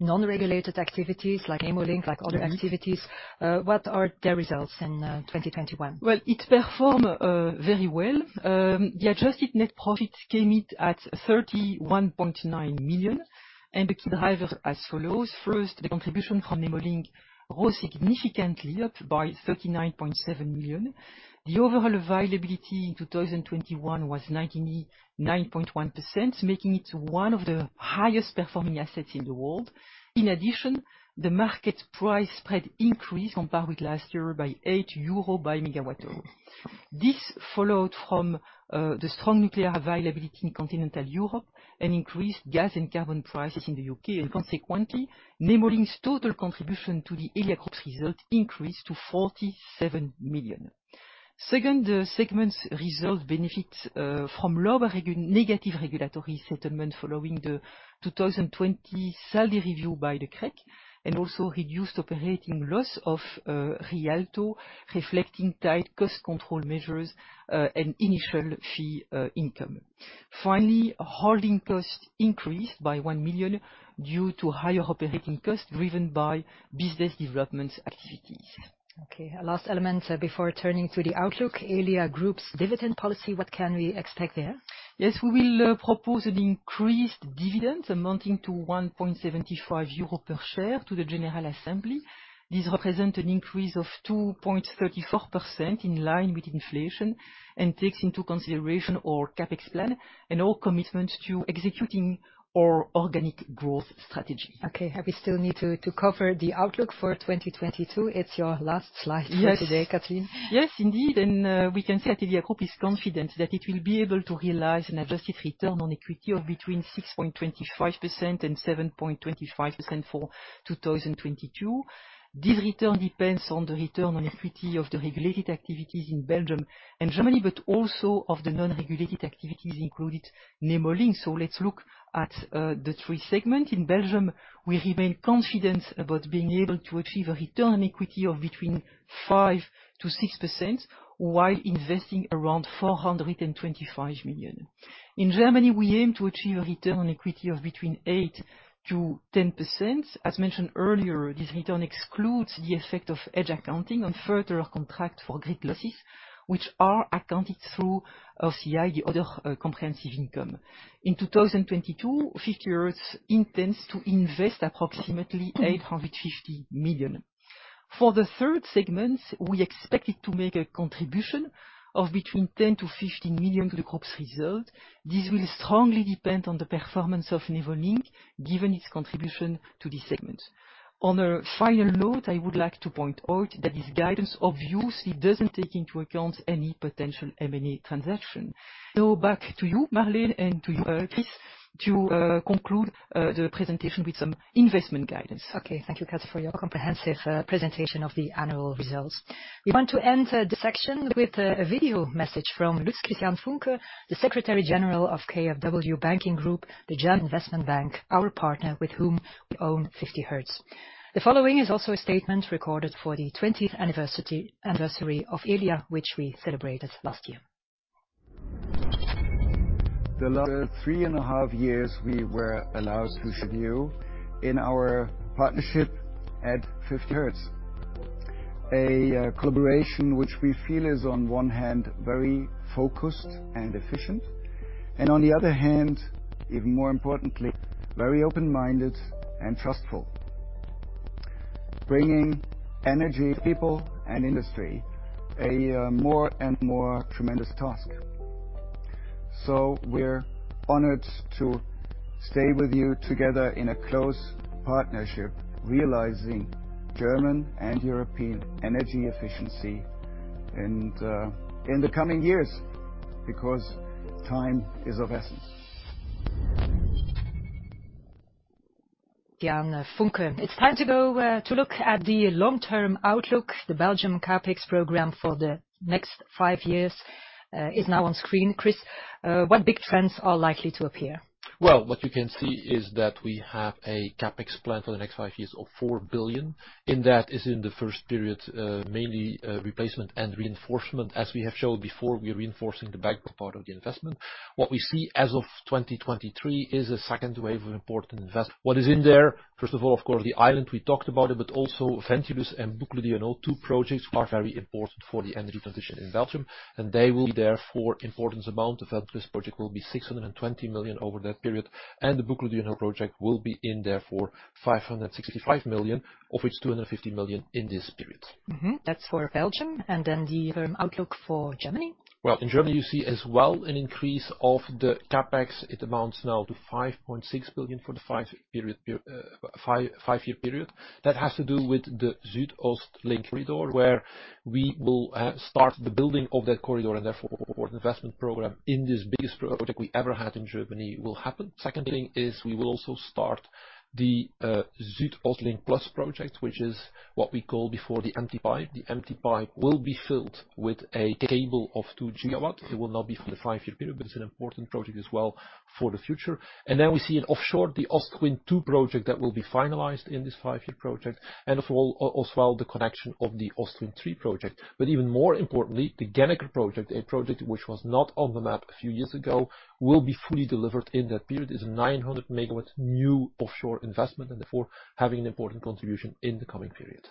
non-regulated activities like Nemo Link, like other activities. What are their results in 2021? Well, it performed very well. The adjusted net profit came in at 31.9 million, and the key drivers as follows. First, the contribution from Nemo Link rose significantly, up by 39.7 million. The overall availability in 2021 was 99.1%, making it one of the highest performing assets in the world. In addition, the market price spread increased compared with last year by 8 euro/MWh. This followed from the strong nuclear availability in continental Europe and increased gas and carbon prices in the U.K.. Consequently, Nemo Link's total contribution to the Elia Group's result increased to 47 million. Second, the segment's result benefits from lower negative regulatory settlement following the 2020 salary review by the CREG, and also reduced operating loss of re.alto, reflecting tight cost control measures and initial fee income. Finally, holding costs increased by 1 million due to higher operating costs driven by business development activities. Okay. Last element, before turning to the outlook, Elia Group's dividend policy, what can we expect there? Yes, we will propose an increased dividend amounting to 1.75 euro per share to the General Assembly. This represent an increase of 2.34% in line with inflation, and takes into consideration our CapEx plan and our commitment to executing our organic growth strategy. Okay. We still need to cover the outlook for 2022. It's your last slide for today, Catherine. Yes, indeed. We can say Elia Group is confident that it will be able to realize an adjusted return on equity of between 6.25% and 7.25% for 2022. This return depends on the return on equity of the regulated activities in Belgium and Germany, but also of the non-regulated activities included Nemo Link. Let's look at the three segments. In Belgium, we remain confident about being able to achieve a return on equity of between 5% and 6% while investing around 425 million. In Germany, we aim to achieve a return on equity of between 8% and 10%. As mentioned earlier, this return excludes the effect of hedge accounting on forward contracts for grid losses, which are accounted through OCI, the other comprehensive income. In 2022, 50Hertz intends to invest approximately 850 million. For the third segment, we expect it to make a contribution of between 10 million-15 million to the Group's result. This will strongly depend on the performance of Nemo Link, given its contribution to this segment. On a final note, I would like to point out that this guidance obviously doesn't take into account any potential M&A transaction. Back to you, Marleen, and to you, Chris, to conclude the presentation with some investment guidance. Okay. Thank you, Cat, for your comprehensive presentation of the annual results. We want to end the section with a video message from Lutz-Christian Funke, the Secretary General of KfW Bankengruppe, the German investment bank, our partner with whom we own 50Hertz. The following is also a statement recorded for the 20th anniversary of Elia, which we celebrated last year. The last 3.5 years, we were allowed to share you in our partnership at 50Hertz. A collaboration which we feel is on one hand very focused and efficient, and on the other hand, even more importantly, very open-minded and trustful. Bringing energy, people, and industry a more and more tremendous task. We're honored to stay with you together in a close partnership, realizing German and European energy efficiency in the coming years, because time is of essence. Lutz-Christian Funke. It's time to go to look at the long-term outlook. The Belgian CapEx program for the next five years is now on screen. Chris Peeters, what big trends are likely to appear? Well, what you can see is that we have a CapEx plan for the next five years of 4 billion. In that is in the first period, mainly, replacement and reinforcement. As we have shown before, we are reinforcing the backbone part of the investment. What we see as of 2023 is a second wave of important investments. What is in there, first of all, of course, the island, we talked about it, but also Ventilus and Boucle du Hainaut, two projects are very important for the energy transition in Belgium, and they will be there for important amount. The Ventilus project will be 620 million over that period, and the Boucle du Hainaut project will be in there for 565 million, of which 250 million in this period. That's for Belgium, and then the medium-term outlook for Germany. Well, in Germany, you see as well an increase of the CapEx. It amounts now to 5.6 billion for the five-year period. That has to do with the SuedOstLink corridor, where we will start the building of that corridor and therefore investment program in this biggest project we ever had in Germany will happen. Second thing is we will also start the SuedOstLink+ project, which is what we call before the empty pipe. The empty pipe will be filled with a cable of 2 GWs. It will not be for the five-year period, but it's an important project as well for the future. Then we see in offshore the Ostwind 2 project that will be finalized in this five-year project. Overall, also the connection of the Ostwind 3 project. Even more importantly, the Gennaker project, a project which was not on the map a few years ago, will be fully delivered in that period, is 900 MW new offshore investment, and therefore having an important contribution in the coming period.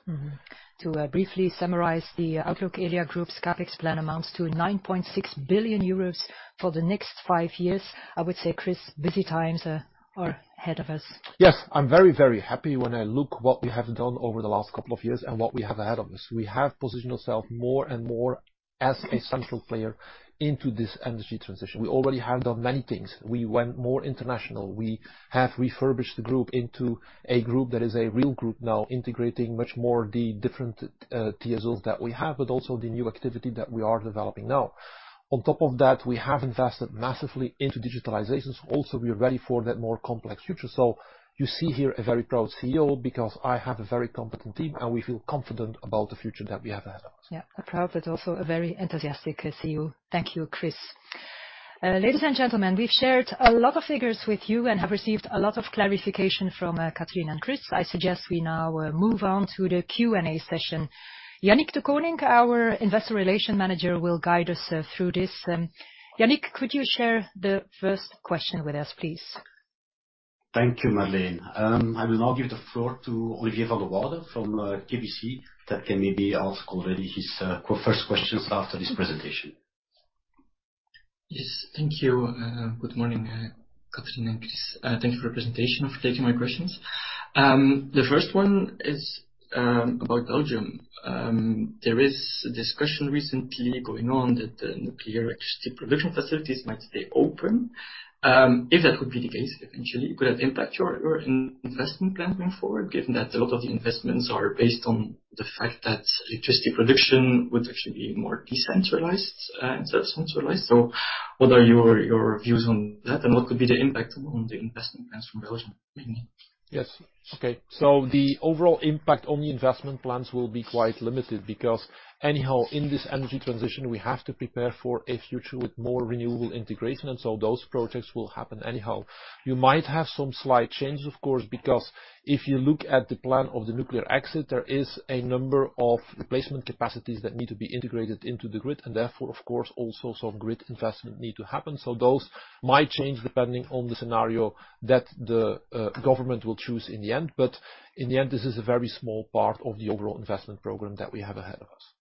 To briefly summarize the outlook, Elia Group's CapEx plan amounts to 9.6 billion euros for the next five years. I would say, Chris, busy times are ahead of us. Yes. I'm very, very happy when I look what we have done over the last couple of years and what we have ahead of us. We have positioned ourselves more and more as a central player into this energy transition. We already have done many things. We went more international. We have refurbished the Group into a Group that is a real Group now, integrating much more the different TSO that we have, but also the new activity that we are developing now. On top of that, we have invested massively into digitalizations. Also, we are ready for that more complex future. You see here a very proud CEO because I have a very competent team, and we feel confident about the future that we have ahead of us. Yeah. A proud, but also a very enthusiastic CEO. Thank you, Chris. Ladies and gentlemen, we've shared a lot of figures with you and have received a lot of clarification from Catherine and Chris. I suggest we now move on to the Q&A session. Yannick Dekoninck, our Investor Relations Manager, will guide us through this. Yannick, could you share the first question with us, please? Thank you, Marleen. I will now give the floor to Olivier Vandewoude from KBC. He can maybe ask already his first questions after this presentation. Yes. Thank you. Good morning, Catherine and Chris. Thank you for the presentation, for taking my questions. The first one is about Belgium. There is a discussion recently going on that the nuclear electricity production facilities might stay open. If that would be the case, eventually it could have impact on your investment plan going forward, given that a lot of the investments are based on the fact that electricity production would actually be more decentralized, instead of centralized. What are your views on that, and what could be the impact on the investment plans from Belgium, mainly? Yes. Okay. The overall impact on the investment plans will be quite limited because anyhow, in this energy transition, we have to prepare for a future with more renewable integration, and so those projects will happen anyhow. You might have some slight changes, of course, because if you look at the plan of the nuclear exit, there is a number of replacement capacities that need to be integrated into the grid, and therefore, of course, also some grid investment need to happen. Those might change depending on the scenario that the government will choose in the end. In the end, this is a very small part of the overall investment program that we have ahead of us.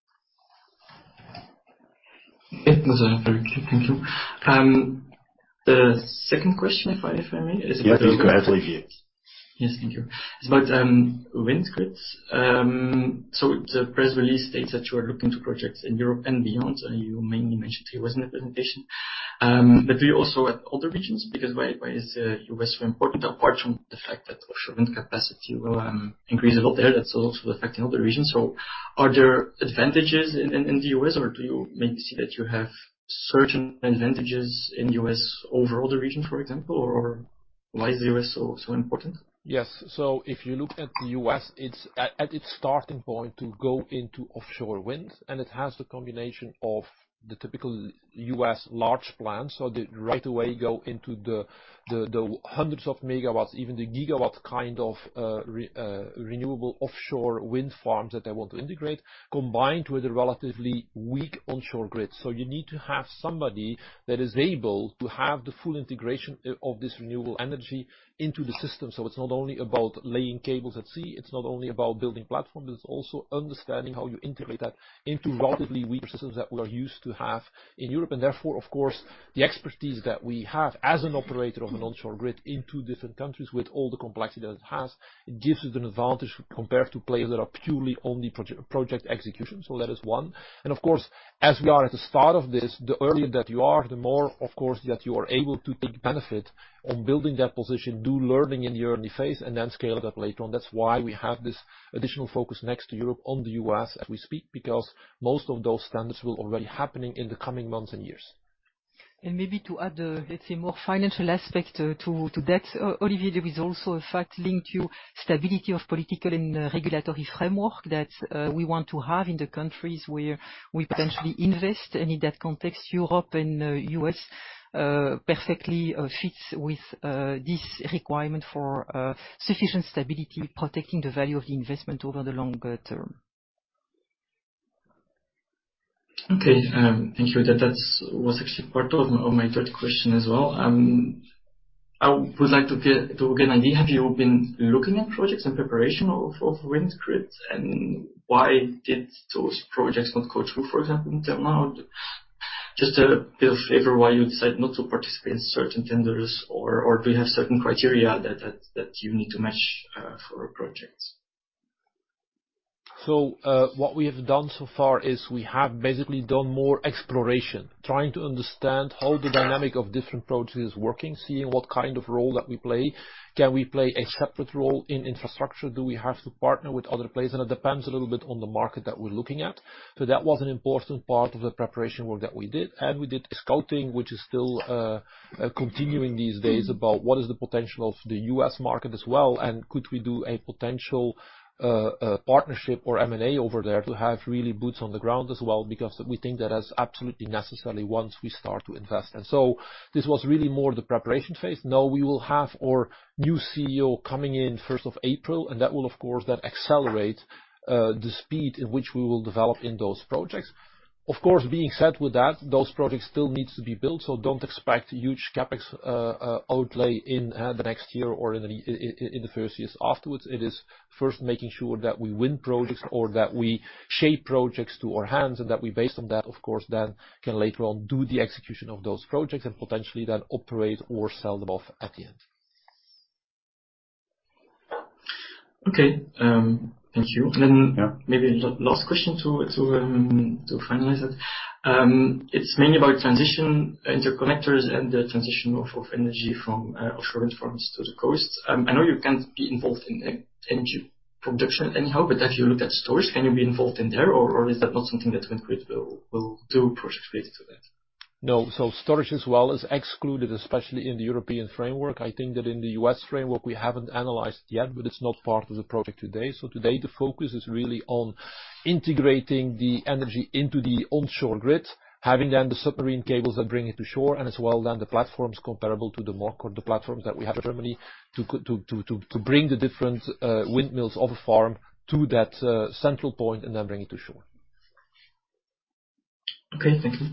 It was very clear. Thank you. The second question, if I may, is about. Yes, you can, Olivier. Yes. Thank you. It's about WindGrid. The press release states that you are looking to projects in Europe and beyond, and you mainly mentioned three ways in the presentation. But we also look at other regions because why is the U.S. so important, apart from the fact that offshore wind capacity will increase a lot there. That's also affecting other regions. Are there advantages in the U.S., or do you maybe see that you have certain advantages in U.S. over other regions, for example, or why is the U.S. so important? Yes. If you look at the U.S., it's at its starting point to go into offshore wind, and it has the combination of the typical U.S. large plans. They right away go into the hundreds of megawatts, even the GW kind of renewable offshore wind farms that they want to integrate, combined with a relatively weak onshore grid. You need to have somebody that is able to have the full integration of this renewable energy into the system. It's not only about laying cables at sea, it's not only about building platforms, but it's also understanding how you integrate that into relatively weaker systems that we are used to have in Europe. Therefore, of course, the expertise that we have as an operator of an onshore grid in two different countries with all the complexity that it has, it gives it an advantage compared to players that are purely only project execution. That is one. Of course, as we are at the start of this, the earlier that you are, the more of course, that you are able to take benefit on building that position, do learning in the early phase, and then scale it up later on. That's why we have this additional focus next to Europe on the U.S. as we speak, because most of those standards will already happening in the coming months and years. Maybe to add, let's say more financial aspect, to that, Olivier, there is also a fact linked to stability of political and regulatory framework that we want to have in the countries where we potentially invest. In that context, Europe and U.S. perfectly fits with this requirement for sufficient stability, protecting the value of the investment over the longer term. Okay, thank you. That was actually part of my third question as well. I would like to get an idea. Have you been looking at projects in preparation of WindGrid? Why did those projects not go through, for example, until now? Just a bit of flavor why you decide not to participate in certain tenders or do you have certain criteria that you need to match for a project? What we have done so far is we have basically done more exploration, trying to understand how the dynamic of different projects is working, seeing what kind of role that we play. Can we play a separate role in infrastructure? Do we have to partner with other players? It depends a little bit on the market that we're looking at. That was an important part of the preparation work that we did. We did scouting, which is still continuing these days about what is the potential of the U.S. market as well, and could we do a potential partnership or M&A over there to have really boots on the ground as well, because we think that is absolutely necessary once we start to invest. This was really more the preparation phase. Now we will have our new CEO coming in first of April, and that will of course then accelerate the speed in which we will develop in those projects. Of course, being said with that, those projects still needs to be built, so don't expect huge CapEx outlay in the next year or in the first years afterwards. It is first making sure that we win projects or that we shape projects to our hands and that we based on that, of course, then can later on do the execution of those projects and potentially then operate or sell them off at the end. Okay. Thank you. Yeah. Maybe last question to finalize it. It's mainly about transmission interconnectors and the transmission of energy from offshore wind farms to the coast. I know you can't be involved in energy production anyhow, but as you look at storage, can you be involved in there or is that not something that WindGrid will do projects related to that? No. Storage as well is excluded, especially in the European framework. I think that in the U.S. framework we haven't analyzed yet, but it's not part of the project today. Today, the focus is really on integrating the energy into the onshore grid, having then the submarine cables that bring it to shore, and as well then the platforms comparable to Denmark, the platforms that we have in Germany to bring the different windmills of a farm to that central point and then bring it to shore. Okay. Thank you.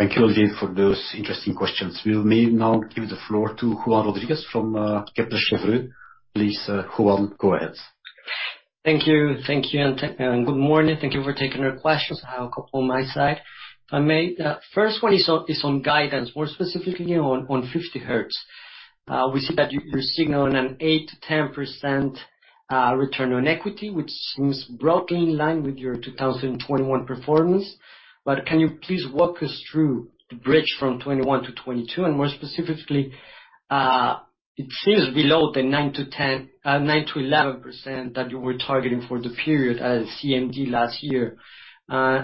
Thank you, Olivier, for those interesting questions. We may now give the floor to Juan Rodriguez from Kepler Cheuvreux. Please, Juan, go ahead. Thank you. Thank you, and good morning. Thank you for taking our questions. I have a couple on my side, if I may. The first one is on guidance, more specifically on 50Hertz. We see that you're signaling an 8%-10% return on equity, which seems broadly in line with your 2021 performance. Can you please walk us through the bridge from 2021 to 2022? More specifically, it seems below the 9%-11% that you were targeting for the period at CMD last year.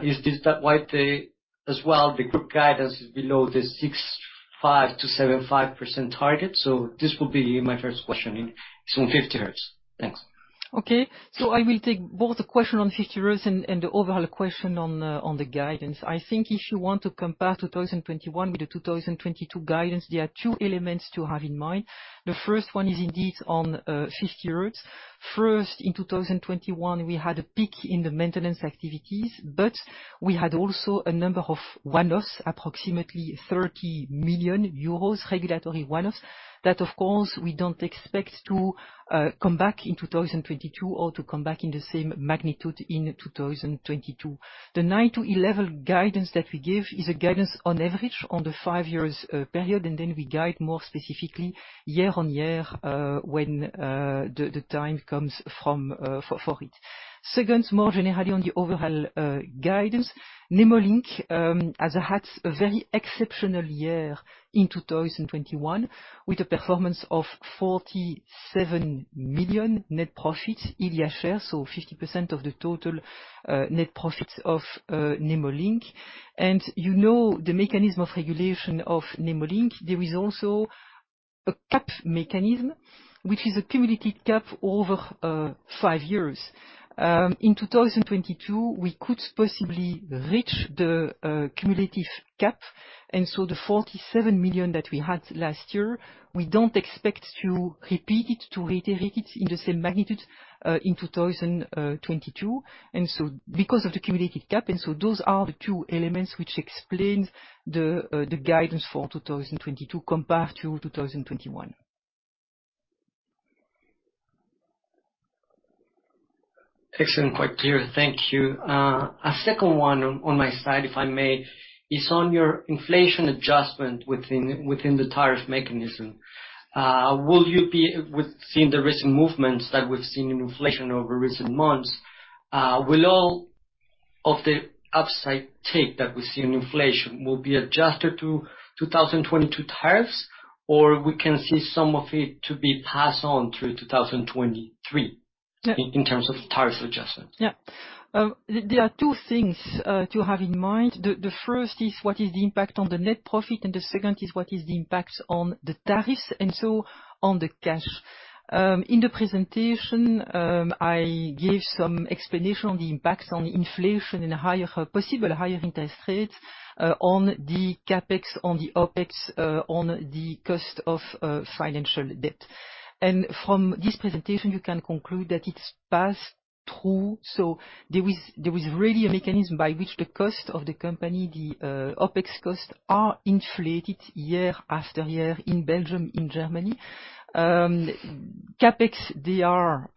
Is this why the Group guidance is below the 6.5%-7.5% target? This will be my first question. It's on 50Hertz. Thanks. Okay. I will take both the question on 50Hertz and the overall question on the guidance. I think if you want to compare 2021 with the 2022 guidance, there are two elements to have in mind. The first one is indeed on 50Hertz. First, in 2021, we had a peak in the maintenance activities, but we also had a number of one-offs, approximately 30 million euros regulatory one-offs. That of course we don't expect to come back in 2022 or to come back in the same magnitude in 2022. The 9-11 guidance that we give is a guidance on average on the 5-year period, and then we guide more specifically year-on-year when the time comes for it. Second, more generally on the overall guidance, Nemo Link has had a very exceptional year in 2021 with a performance of 47 million net profits, Elia share, so 50% of the total net profits of Nemo Link. You know the mechanism of regulation of Nemo Link, there is also a cap mechanism, which is a cumulative cap over 5 years. In 2022, we could possibly reach the cumulative cap, and so the 47 million that we had last year, we don't expect to repeat it, to reiterate it in the same magnitude in 2022, and so because of the cumulative cap. Those are the two elements which explains the guidance for 2022 compared to 2021. Excellent. Quite clear. Thank you. A second one on my side, if I may, is on your inflation adjustment within the tariff mechanism. With seeing the recent movements that we've seen in inflation over recent months, will all of the upside that we see in inflation be adjusted to 2022 tariffs, or can we see some of it to be passed on through 2023? In terms of tariff adjustment. Yeah. There are two things to have in mind. The first is what is the impact on the net profit, and the second is what is the impact on the tariffs, and so on the cash. In the presentation, I gave some explanation on the impacts on inflation and possible higher interest rates on the CapEx, on the OpEx, on the cost of financial debt. From this presentation, you can conclude that it's passed through, so there is really a mechanism by which the cost of the company, the OpEx costs, are inflated year after year in Belgium, in Germany. CapEx, they are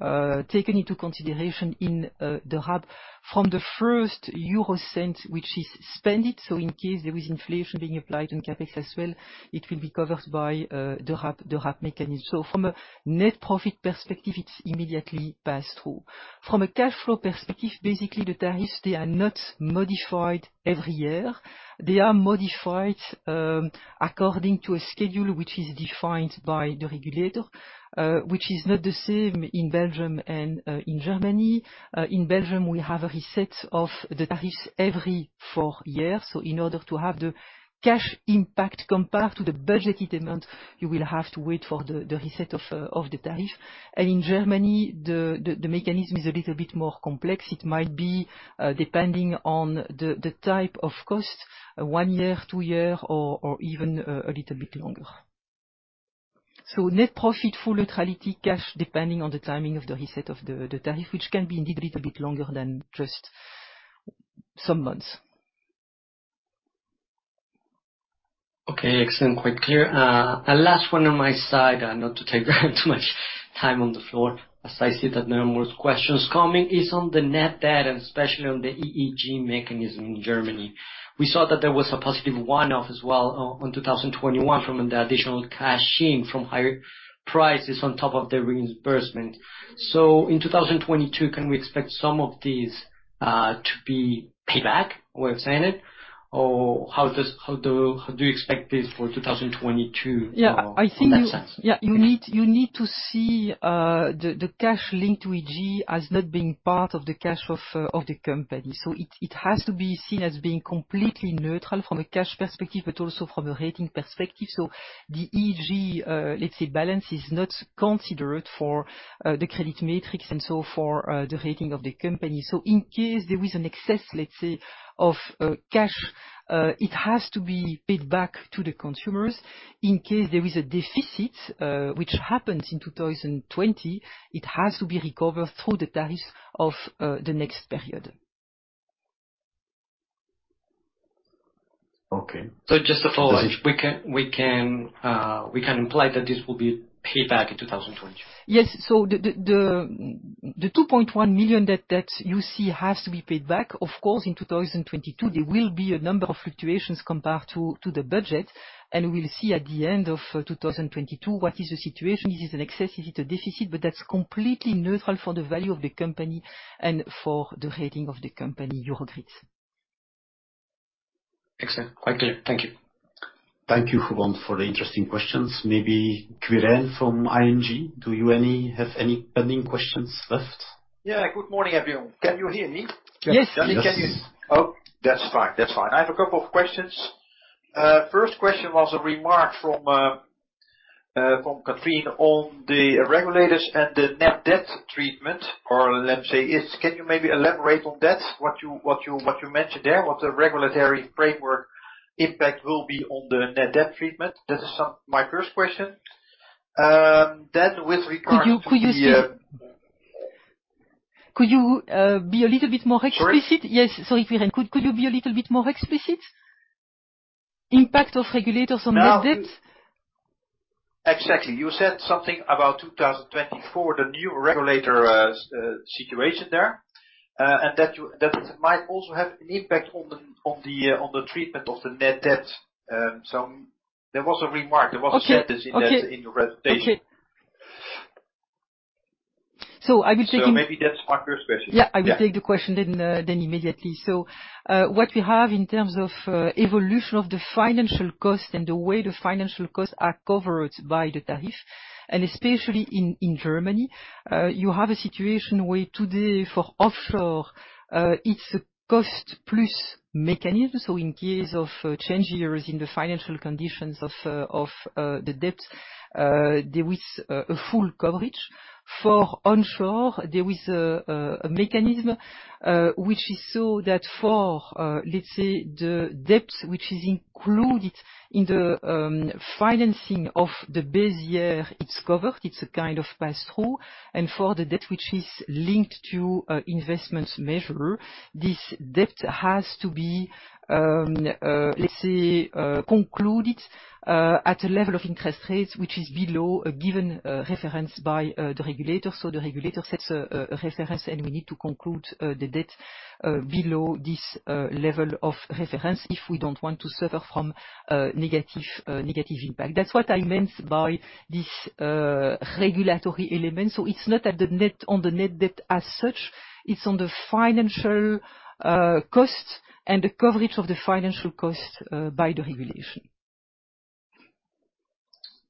taken into consideration in the RAB from the first euro cent which is spent. In case there is inflation being applied on CapEx as well, it will be covered by the RAB mechanism. From a net profit perspective, it's immediately passed through. From a cash flow perspective, the tariffs they are not modified every year. They are modified according to a schedule which is defined by the regulator, which is not the same in Belgium and in Germany. In Belgium, we have a reset of the tariffs every four years. In order to have the cash impact compared to the budgeted amount, you will have to wait for the reset of the tariff. In Germany, the mechanism is a little bit more complex. It might be depending on the type of cost, one year, two year, or even a little bit longer. Net profit full neutrality cash, depending on the timing of the reset of the tariff, which can be indeed a little bit longer than just some months. Okay. Excellent. Quite clear. A last one on my side, not to take too much time on the floor, as I see that no more questions coming, is on the net debt and especially on the EEG mechanism in Germany. We saw that there was a positive one-off as well in 2021 from the additional cash in from higher prices on top of the reimbursement. In 2022, can we expect some of these to be paid back or assigned? Or how do you expect this for 2022 or in that sense? Yeah. I think you. Yeah. You need to see the cash linked to EEG as not being part of the cash of the company. It has to be seen as being completely neutral from a cash perspective, but also from a rating perspective. The EEG let's say balance is not considered for the credit metrics and so for the rating of the company. In case there is an excess, let's say, of cash, it has to be paid back to the consumers. In case there is a deficit, which happens in 2020, it has to be recovered through the tariffs of the next period. Okay. Just to follow up, we can imply that this will be paid back in 2022. Yes. The 2.1 million debt that you see has to be paid back. Of course, in 2022 there will be a number of fluctuations compared to the budget. We'll see at the end of 2022 what is the situation. Is it an excess? Is it a deficit? That's completely neutral for the value of the company and for the rating of the company, Eurogrid's. Excellent. Quite clear. Thank you. Thank you, Juan, for the interesting questions. Maybe Quirijn from ING, do you have any pending questions left? Yeah. Good morning, everyone. Can you hear me? Yes. Yes. Oh, that's fine. That's fine. I have a couple of questions. First question was a remark from Catherine on the regulators and the net debt treatment, or let me say, can you maybe elaborate on that, what you mentioned there, what the regulatory framework impact will be on the net debt treatment? That is my first question. Then with regard to the. Could you be a little bit more explicit? Sorry? Yes. Sorry, Quirijn. Could you be a little bit more explicit? Impact of regulators on net debt. No. Exactly. You said something about 2024, the new regulator, situation there, and that might also have an impact on the treatment of the net debt. There was a remark. Okay. There was a sentence in that in your presentation. Okay. I will take it. Maybe that's my first question. Yeah. Yeah. I will take the question then immediately. What we have in terms of evolution of the financial cost and the way the financial costs are covered by the tariff, and especially in Germany, you have a situation where today for offshore, it's a cost plus mechanism. In case of changes in the financial conditions of the debt, there is a full coverage. For onshore, there is a mechanism which is so that for, let's say the debt which is included in the financing of the base year, it's covered, it's a kind of pass-through. For the debt which is linked to investments measure, this debt has to be, let's say, concluded at a level of interest rates, which is below a given reference by the regulator. The regulator sets a reference, and we need to conclude the debt below this level of reference if we don't want to suffer from negative impact. That's what I meant by this regulatory element. It's not at the net, on the net debt as such. It's on the financial cost and the coverage of the financial cost by the regulation.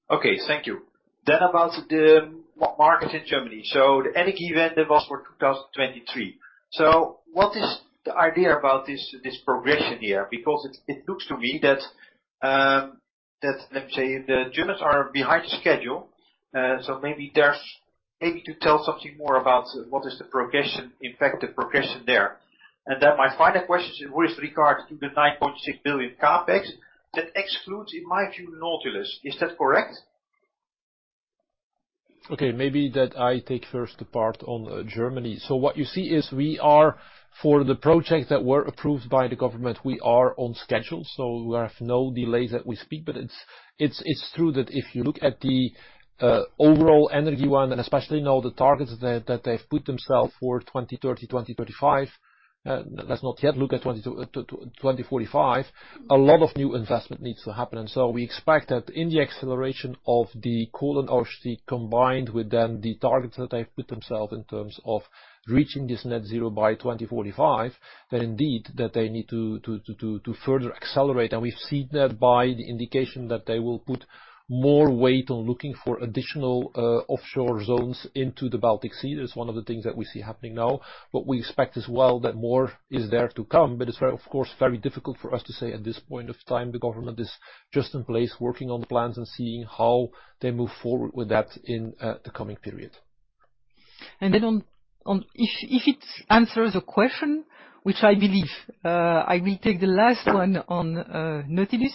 Okay, thank you. About the market in Germany. The Energiewende that was for 2023. What is the idea about this progression here? Because it looks to me that, let me say, the Germans are behind schedule. Maybe there's something more to tell about what is the progression, effective progression there. My final question is with regard to the 9.6 billion CapEx. That excludes, in my opinion, Nautilus. Is that correct? Okay, maybe that I take first the part on Germany. What you see is, for the projects that were approved by the government, we are on schedule, so we have no delays to speak of. It's true that if you look at the overall Energiewende, and especially now the targets that they've put themselves for 2030, 2035, let's not yet look at 2045, a lot of new investment needs to happen. We expect that in the acceleration of the Kohleausstieg combined with then the targets that they've put themselves in terms of reaching this net zero by 2045, that indeed they need to further accelerate. We've seen that by the indication that they will put more weight on looking for additional offshore zones into the Baltic Sea. That's one of the things that we see happening now. We expect as well that more is there to come, but it's very, of course, very difficult for us to say at this point of time. The government is just in place working on the plans and seeing how they move forward with that in the coming period. If it answers the question, which I believe I will take the last one on Nautilus,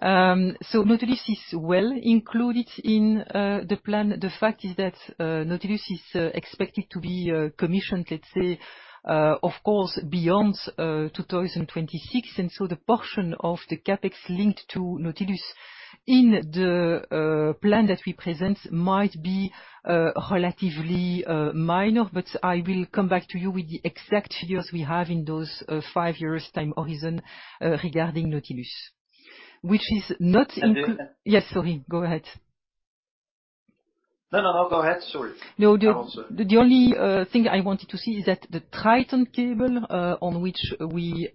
Quirijn. Nautilus is well included in the plan. The fact is that Nautilus is expected to be commissioned, let's say, of course, beyond 2026. The portion of the CapEx linked to Nautilus in the plan that we present might be relatively minor, but I will come back to you with the exact figures we have in those five years time horizon regarding Nautilus. Which is not included. And, uh. Yes, sorry. Go ahead. No, no. Go ahead, sorry. No, the only thing I wanted to say is that the TritonLink cable, on which we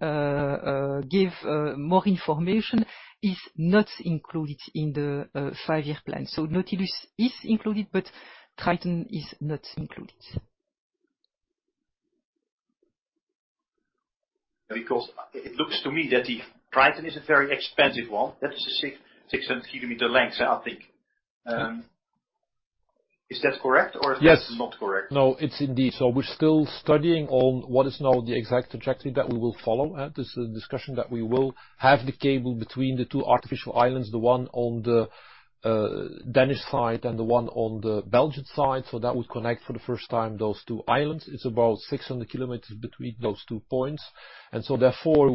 give more information, is not included in the five-year plan. Nautilus is included, but TritonLink is not included. Because it looks to me that the TritonLink is a very expensive one. That is a 600 km length, I think. Is that correct or- Yes. Not correct? No, it's indeed. We're still studying on what is now the exact trajectory that we will follow. This is a discussion that we will have the cable between the two artificial islands, the one on the Danish side and the one on the Belgian side. That would connect for the first time those two islands. It's about 600 km between those two points. We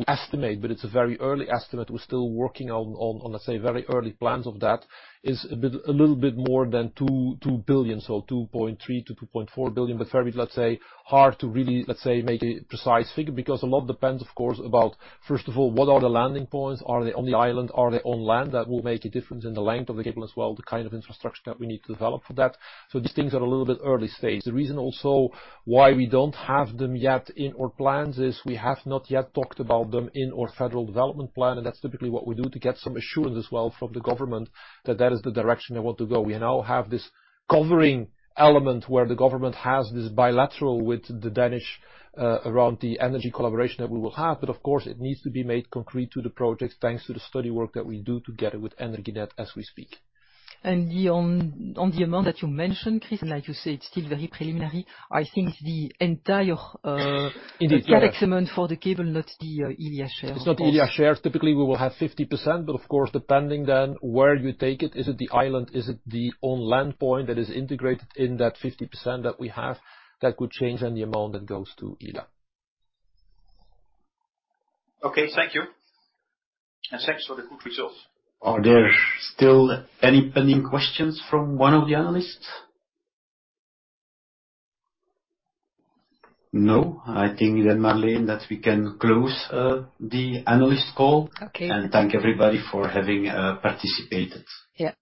estimate, but it's a very early estimate, we're still working on on on, let's say, very early plans of that, is a bit, a little bit more than two two billion, so 2.3 billion-2.4 billion. Very, let's say, hard to really, let's say, make a precise figure because a lot depends, of course, about, first of all, what are the landing points? Are they on the island? Are they on land? That will make a difference in the length of the cable as well, the kind of infrastructure that we need to develop for that. These things are a little bit early stage. The reason also why we don't have them yet in our plans is we have not yet talked about them in our federal development plan, and that's typically what we do to get some assurance as well from the government that that is the direction they want to go. We now have this covering element where the government has this bilateral with the Danish, around the energy collaboration that we will have. Of course, it needs to be made concrete to the projects thanks to the study work that we do together with Energinet as we speak. On the amount that you mentioned, Chris, and like you said, it's still very preliminary. I think the entire CapEx amount for the cable, not the Elia share. It's not Elia shares. Typically, we will have 50%, but of course, depending then where you take it. Is it the island? Is it the on-land point that is integrated in that 50% that we have? That could change then the amount that goes to Elia. Okay, thank you. Thanks for the good results. Are there still any pending questions from one of the analysts? No? I think, Marleen, that we can close the analyst call. Okay. Thank everybody for having participated. Yeah.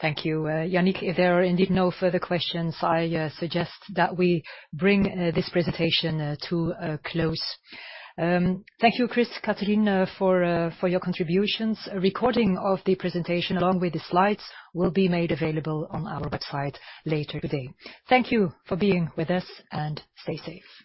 Thank you, Yannick. If there are indeed no further questions, I suggest that we bring this presentation to a close. Thank you, Chris, Catherine, for your contributions. A recording of the presentation along with the slides will be made available on our website later today. Thank you for being with us and stay safe.